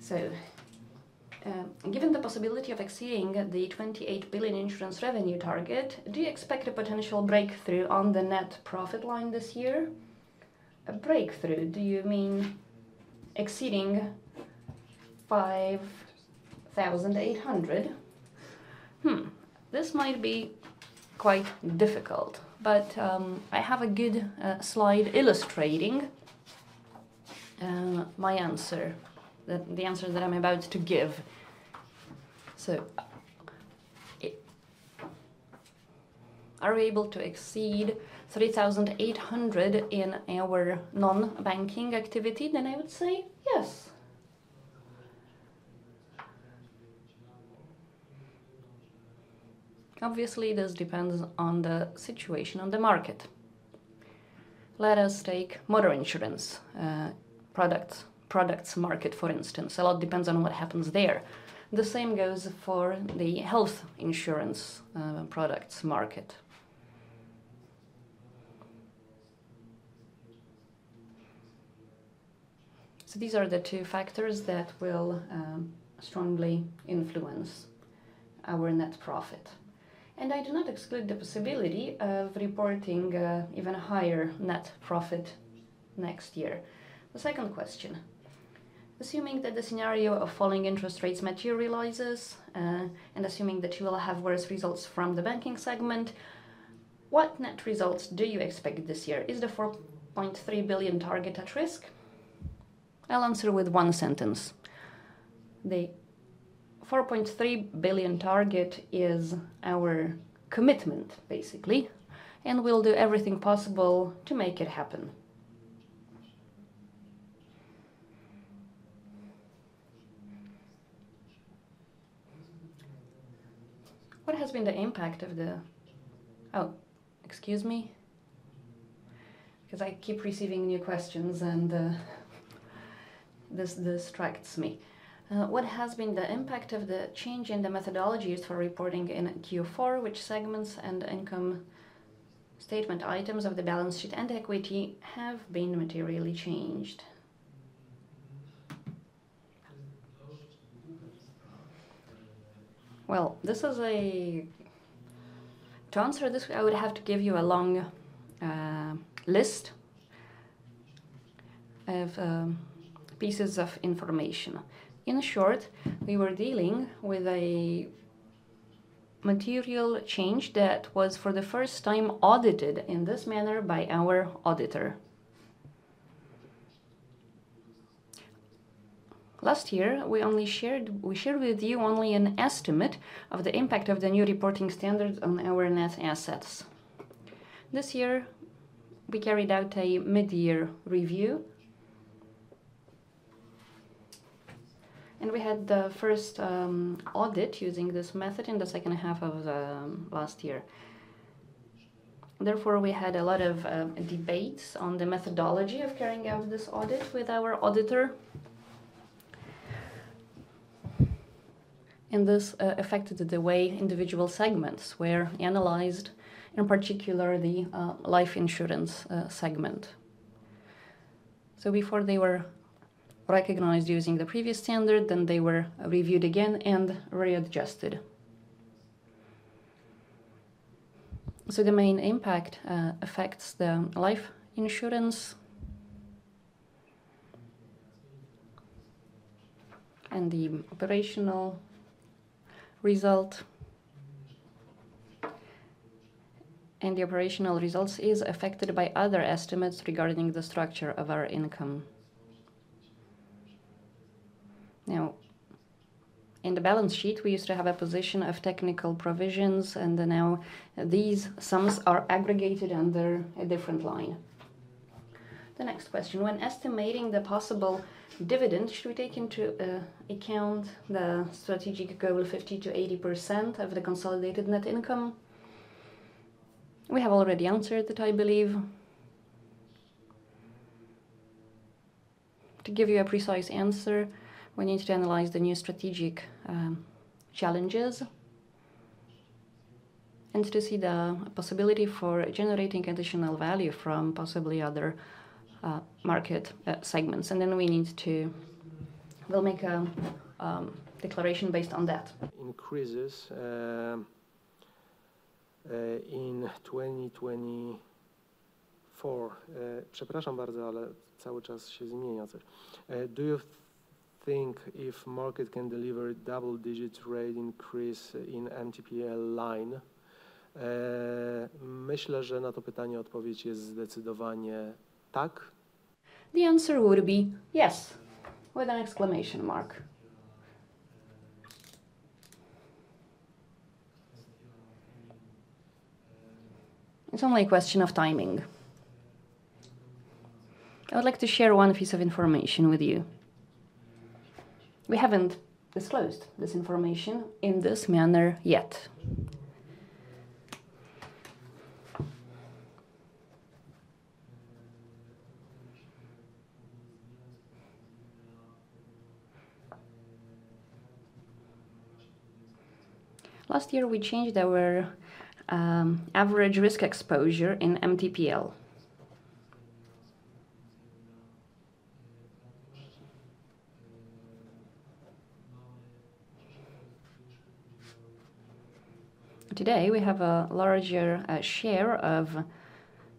So given the possibility of exceeding the 28 billion insurance revenue target, do you expect a potential breakthrough on the net profit line this year? A breakthrough, do you mean exceeding PLN 5,800? Hmm. This might be quite difficult, but, I have a good slide illustrating my answer, the answer that I'm about to give. So are we able to exceed 3,800 in our non-banking activity? Then I would say yes. Obviously, this depends on the situation on the market. Let us take motor insurance product, products market, for instance. A lot depends on what happens there. The same goes for the health insurance products market. So these are the two factors that will strongly influence our net profit. I do not exclude the possibility of reporting even a higher net profit next year. The second question: assuming that the scenario of falling interest rates materializes, and assuming that you will have worse results from the banking segment, what net results do you expect this year? Is the 4.3 billion target at risk? I'll answer with one sentence. The 4.3 billion target is our commitment, basically, and we'll do everything possible to make it happen. What has been the impact of the... Oh, excuse me. 'Cause I keep receiving new questions, and, this distracts me. What has been the impact of the change in the methodologies for reporting in Q4, which segments and income statement items of the balance sheet and equity have been materially changed? Well, this is a... To answer this, I would have to give you a long, list of pieces of information. In short, we were dealing with a material change that was for the first time audited in this manner by our auditor. Last year, we only shared with you only an estimate of the impact of the new reporting standards on our net assets. This year, we carried out a mid-year review, and we had the first audit using this method in the second half of last year. Therefore, we had a lot of debates on the methodology of carrying out this audit with our auditor. And this affected the way individual segments were analyzed, in particular, the life insurance segment. So before they were recognized using the previous standard, then they were reviewed again and readjusted. So the main impact affects the life insurance and the operational result. And the operational results is affected by other estimates regarding the structure of our income. Now, in the balance sheet, we used to have a position of technical provisions, and now these sums are aggregated under a different line. The next question: When estimating the possible dividend, should we take into account the strategic goal of 50%-80% of the consolidated net income? We have already answered that, I believe. To give you a precise answer, we need to analyze the new strategic challenges, and to see the possibility for generating additional value from possibly other market segments. And then we need to- we'll make a declaration based on that.... increases in 2024. Do you think if market can deliver double-digit rate increase in MTPL line? The answer would be yes, with an exclamation mark. It's only a question of timing. I would like to share one piece of information with you. We haven't disclosed this information in this manner yet. Last year, we changed our average risk exposure in MTPL. Today, we have a larger share of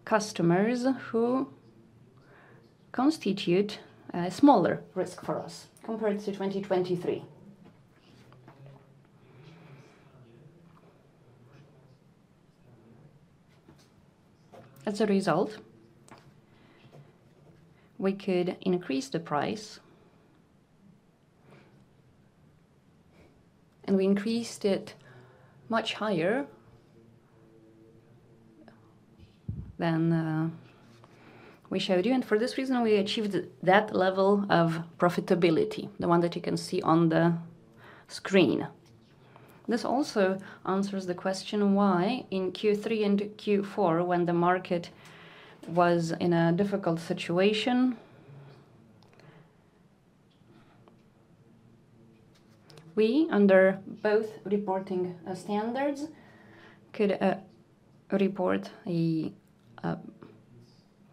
customers who constitute a smaller risk for us compared to 2023. As a result, we could increase the price, and we increased it much higher than we showed you, and for this reason we achieved that level of profitability, the one that you can see on the screen. This also answers the question why in Q3 and Q4, when the market was in a difficult situation, we, under both reporting standards, could report a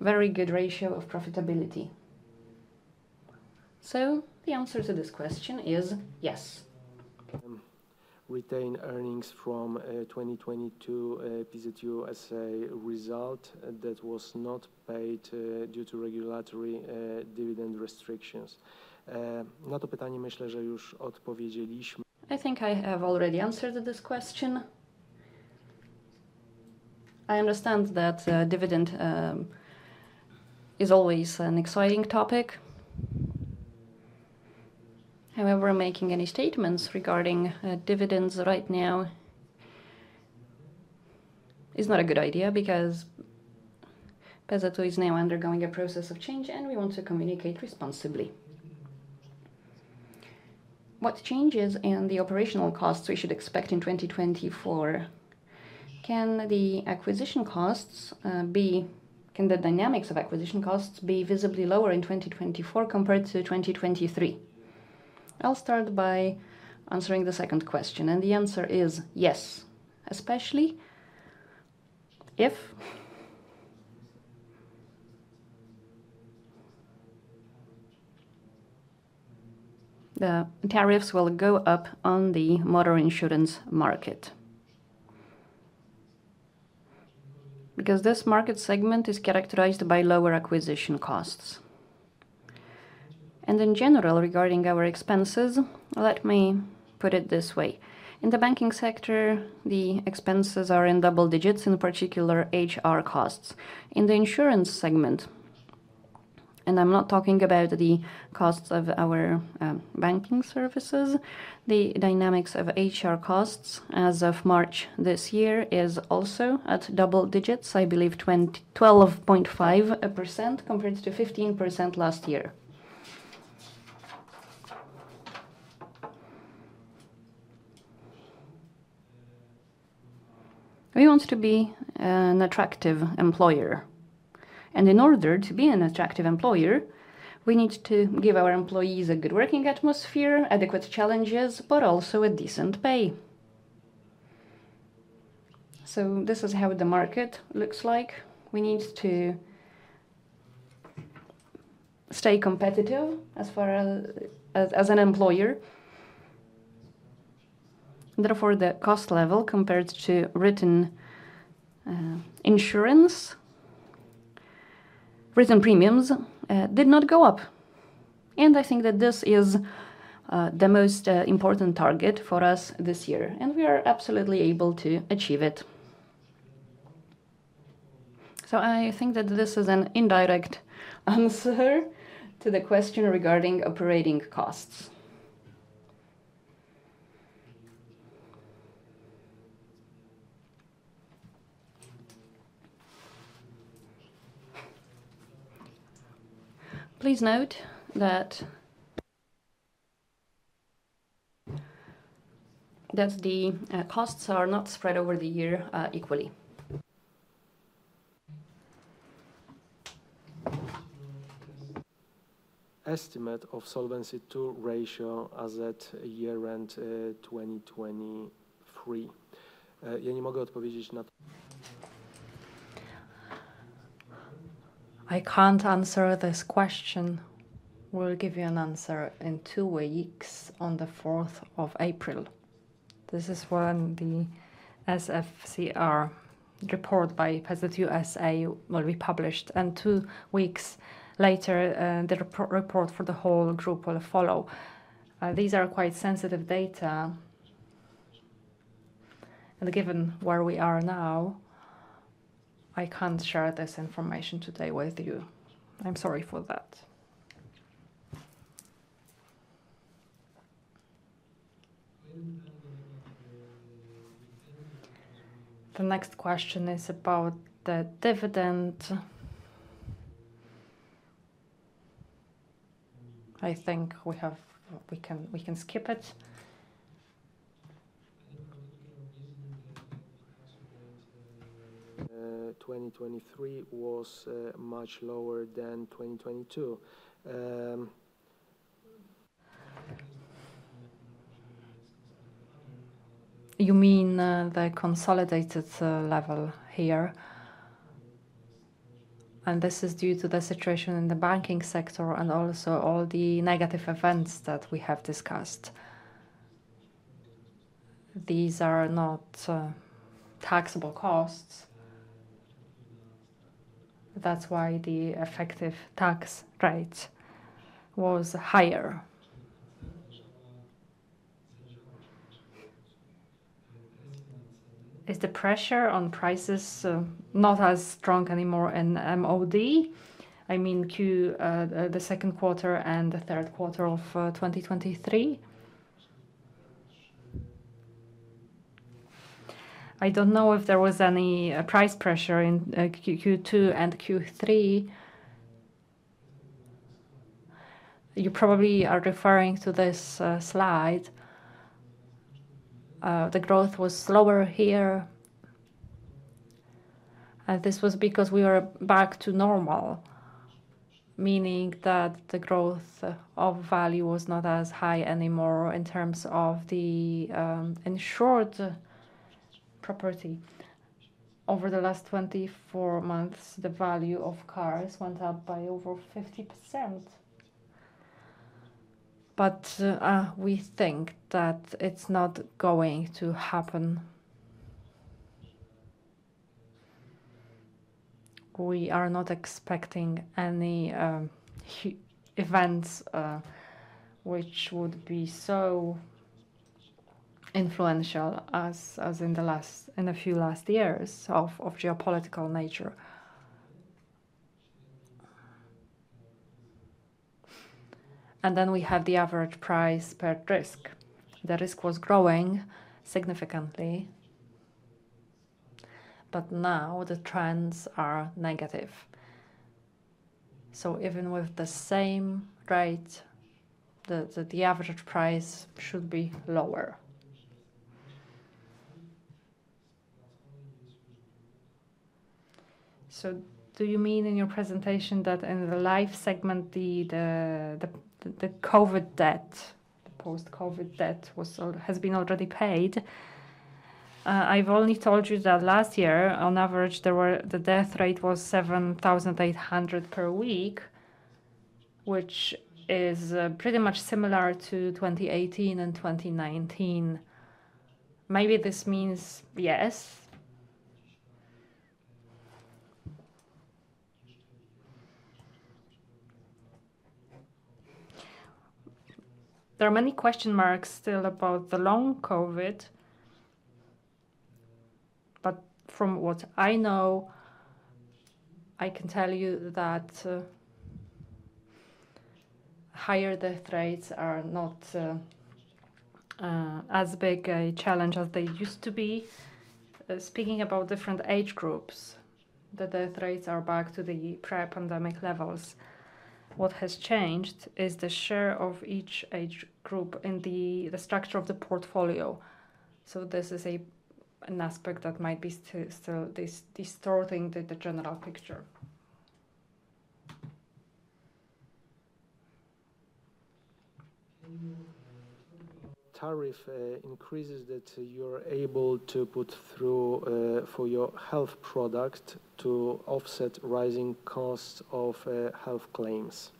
very good ratio of profitability. So the answer to this question is yes. Retained earnings from 2020 to PZU as a result that was not paid due to regulatory dividend restrictions. I think I have already answered this question. I understand that dividend is always an exciting topic. However, making any statements regarding dividends right now is not a good idea because PZU is now undergoing a process of change, and we want to communicate responsibly. What changes in the operational costs we should expect in 2024? Can the dynamics of acquisition costs be visibly lower in 2024 compared to 2023? I'll start by answering the second question, and the answer is yes, especially if the tariffs will go up on the motor insurance market. Because this market segment is characterized by lower acquisition costs. In general, regarding our expenses, let me put it this way: in the banking sector, the expenses are in double digits, in particular HR costs. In the insurance segment, and I'm not talking about the costs of our banking services, the dynamics of HR costs as of March this year is also at double digits. I believe 21.25%, compared to 15% last year. We want to be an attractive employer, and in order to be an attractive employer, we need to give our employees a good working atmosphere, adequate challenges, but also a decent pay. So this is how the market looks like. We need to stay competitive as far as, as, as an employer. Therefore, the cost level compared to written insurance written premiums did not go up, and I think that this is the most important target for us this year, and we are absolutely able to achieve it. So I think that this is an indirect answer to the question regarding operating costs. Please note that the costs are not spread over the year equally. Estimate of Solvency II ratio as at year-end 2023. I can't answer this question. We'll give you an answer in two weeks, on the fourth of April.... this is when the SFCR report by PZU SA will be published, and two weeks later, the report for the whole group will follow. These are quite sensitive data, and given where we are now, I can't share this information today with you. I'm sorry for that. The next question is about the dividend. I think we can skip it. 2023 was much lower than 2022. You mean the consolidated level here? This is due to the situation in the banking sector and also all the negative events that we have discussed. These are not taxable costs. That's why the effective tax rate was higher. Is the pressure on prices not as strong anymore in MOD? I mean, the second quarter and the third quarter of 2023. I don't know if there was any price pressure in Q2 and Q3. You probably are referring to this slide. The growth was slower here, and this was because we were back to normal, meaning that the growth of value was not as high anymore in terms of the insured property. Over the last 24 months, the value of cars went up by over 50%. But we think that it's not going to happen. We are not expecting any huge events which would be so influential as in the last few years of geopolitical nature. And then we have the average price per risk. The risk was growing significantly, but now the trends are negative. So even with the same rate, the average price should be lower. So do you mean in your presentation that in the life segment, the COVID death, the post-COVID death has been already paid? I've only told you that last year, on average, the death rate was 7,800 per week, which is pretty much similar to 2018 and 2019. Maybe this means yes. There are many question marks still about the long COVID, but from what I know, I can tell you that higher death rates are not as big a challenge as they used to be. Speaking about different age groups, the death rates are back to the pre-pandemic levels. What has changed is the share of each age group in the structure of the portfolio. So this is an aspect that might be still distorting the general picture. Tariff increases that you're able to put through for your health product to offset rising costs of health claims.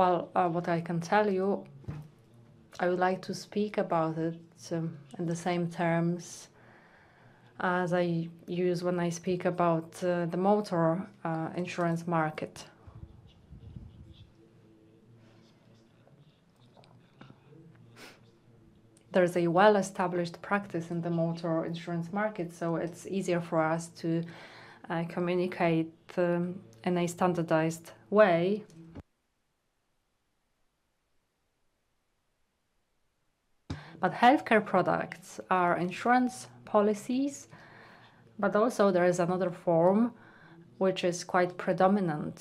Well, what I can tell you, I would like to speak about it in the same terms as I use when I speak about the motor insurance market. There is a well-established practice in the motor insurance market, so it's easier for us to communicate in a standardized way. But healthcare products are insurance policies. But also there is another form which is quite predominant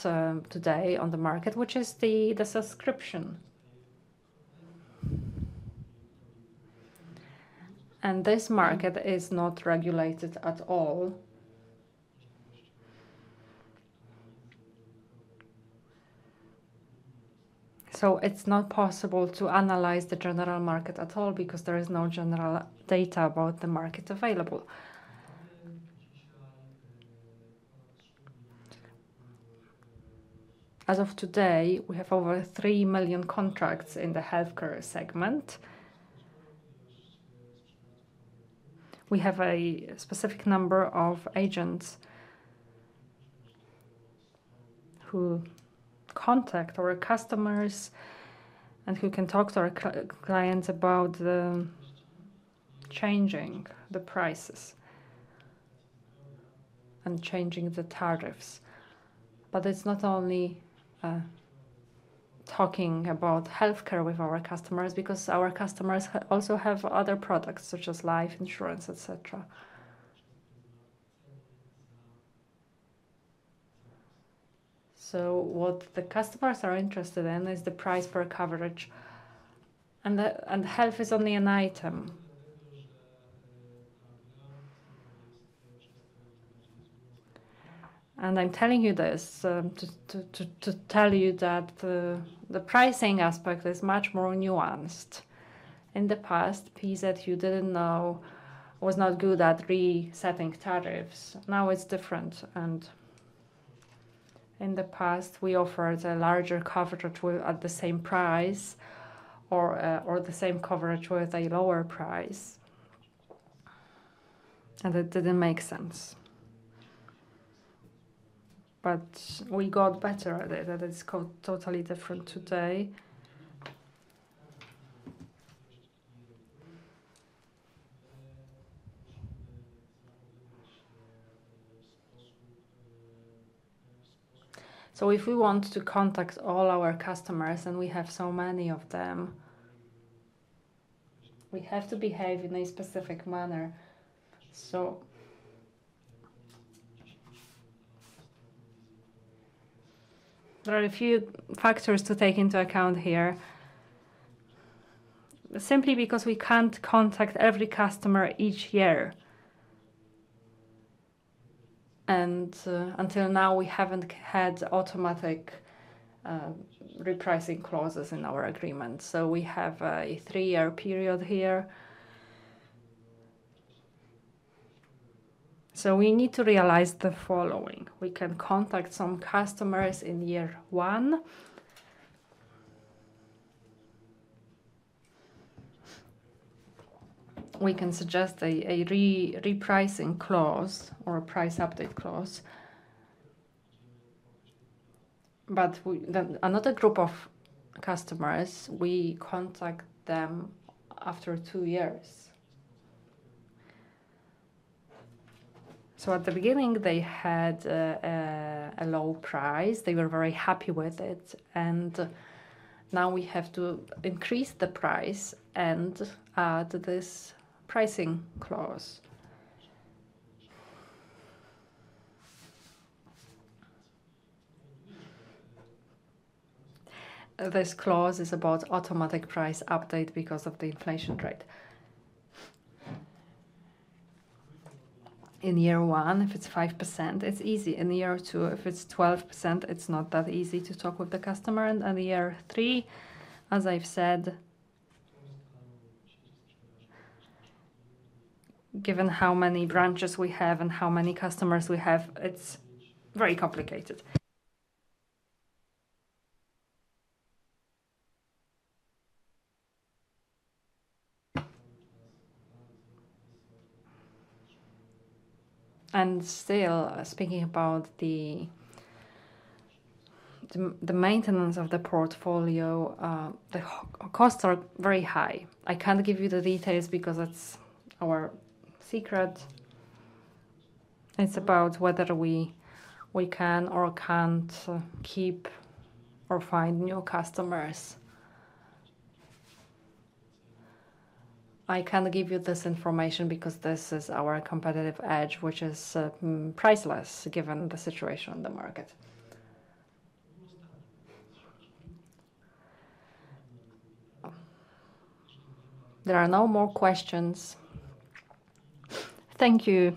today on the market, which is the subscription... and this market is not regulated at all. So it's not possible to analyze the general market at all because there is no general data about the market available. As of today, we have over 3 million contracts in the healthcare segment. We have a specific number of agents who contact our customers and who can talk to our clients about changing the prices and changing the tariffs. But it's not only talking about healthcare with our customers, because our customers also have other products such as life insurance, et cetera. So what the customers are interested in is the price per coverage, and health is only an item. And I'm telling you this to tell you that the pricing aspect is much more nuanced. In the past, PZU didn't know... was not good at resetting tariffs. Now it's different, and in the past we offered a larger coverage at the same price or the same coverage with a lower price, and it didn't make sense. But we got better at it, and it's completely different today. So if we want to contact all our customers, and we have so many of them, we have to behave in a specific manner. So there are a few factors to take into account here, simply because we can't contact every customer each year. And until now, we haven't had automatic repricing clauses in our agreement, so we have a three-year period here. So we need to realize the following: We can contact some customers in year one. We can suggest a repricing clause or a price update clause. But then another group of customers, we contact them after two years. So at the beginning, they had a low price. They were very happy with it, and now we have to increase the price and add this pricing clause. This clause is about automatic price update because of the inflation rate. In year one, if it's 5%, it's easy. In year two, if it's 12%, it's not that easy to talk with the customer, and in year three, as I've said, given how many branches we have and how many customers we have, it's very complicated. And still, speaking about the maintenance of the portfolio, the costs are very high. I can't give you the details because it's our secret. It's about whether we can or can't keep or find new customers. I can't give you this information because this is our competitive edge, which is priceless, given the situation in the market. There are no more questions. Thank you!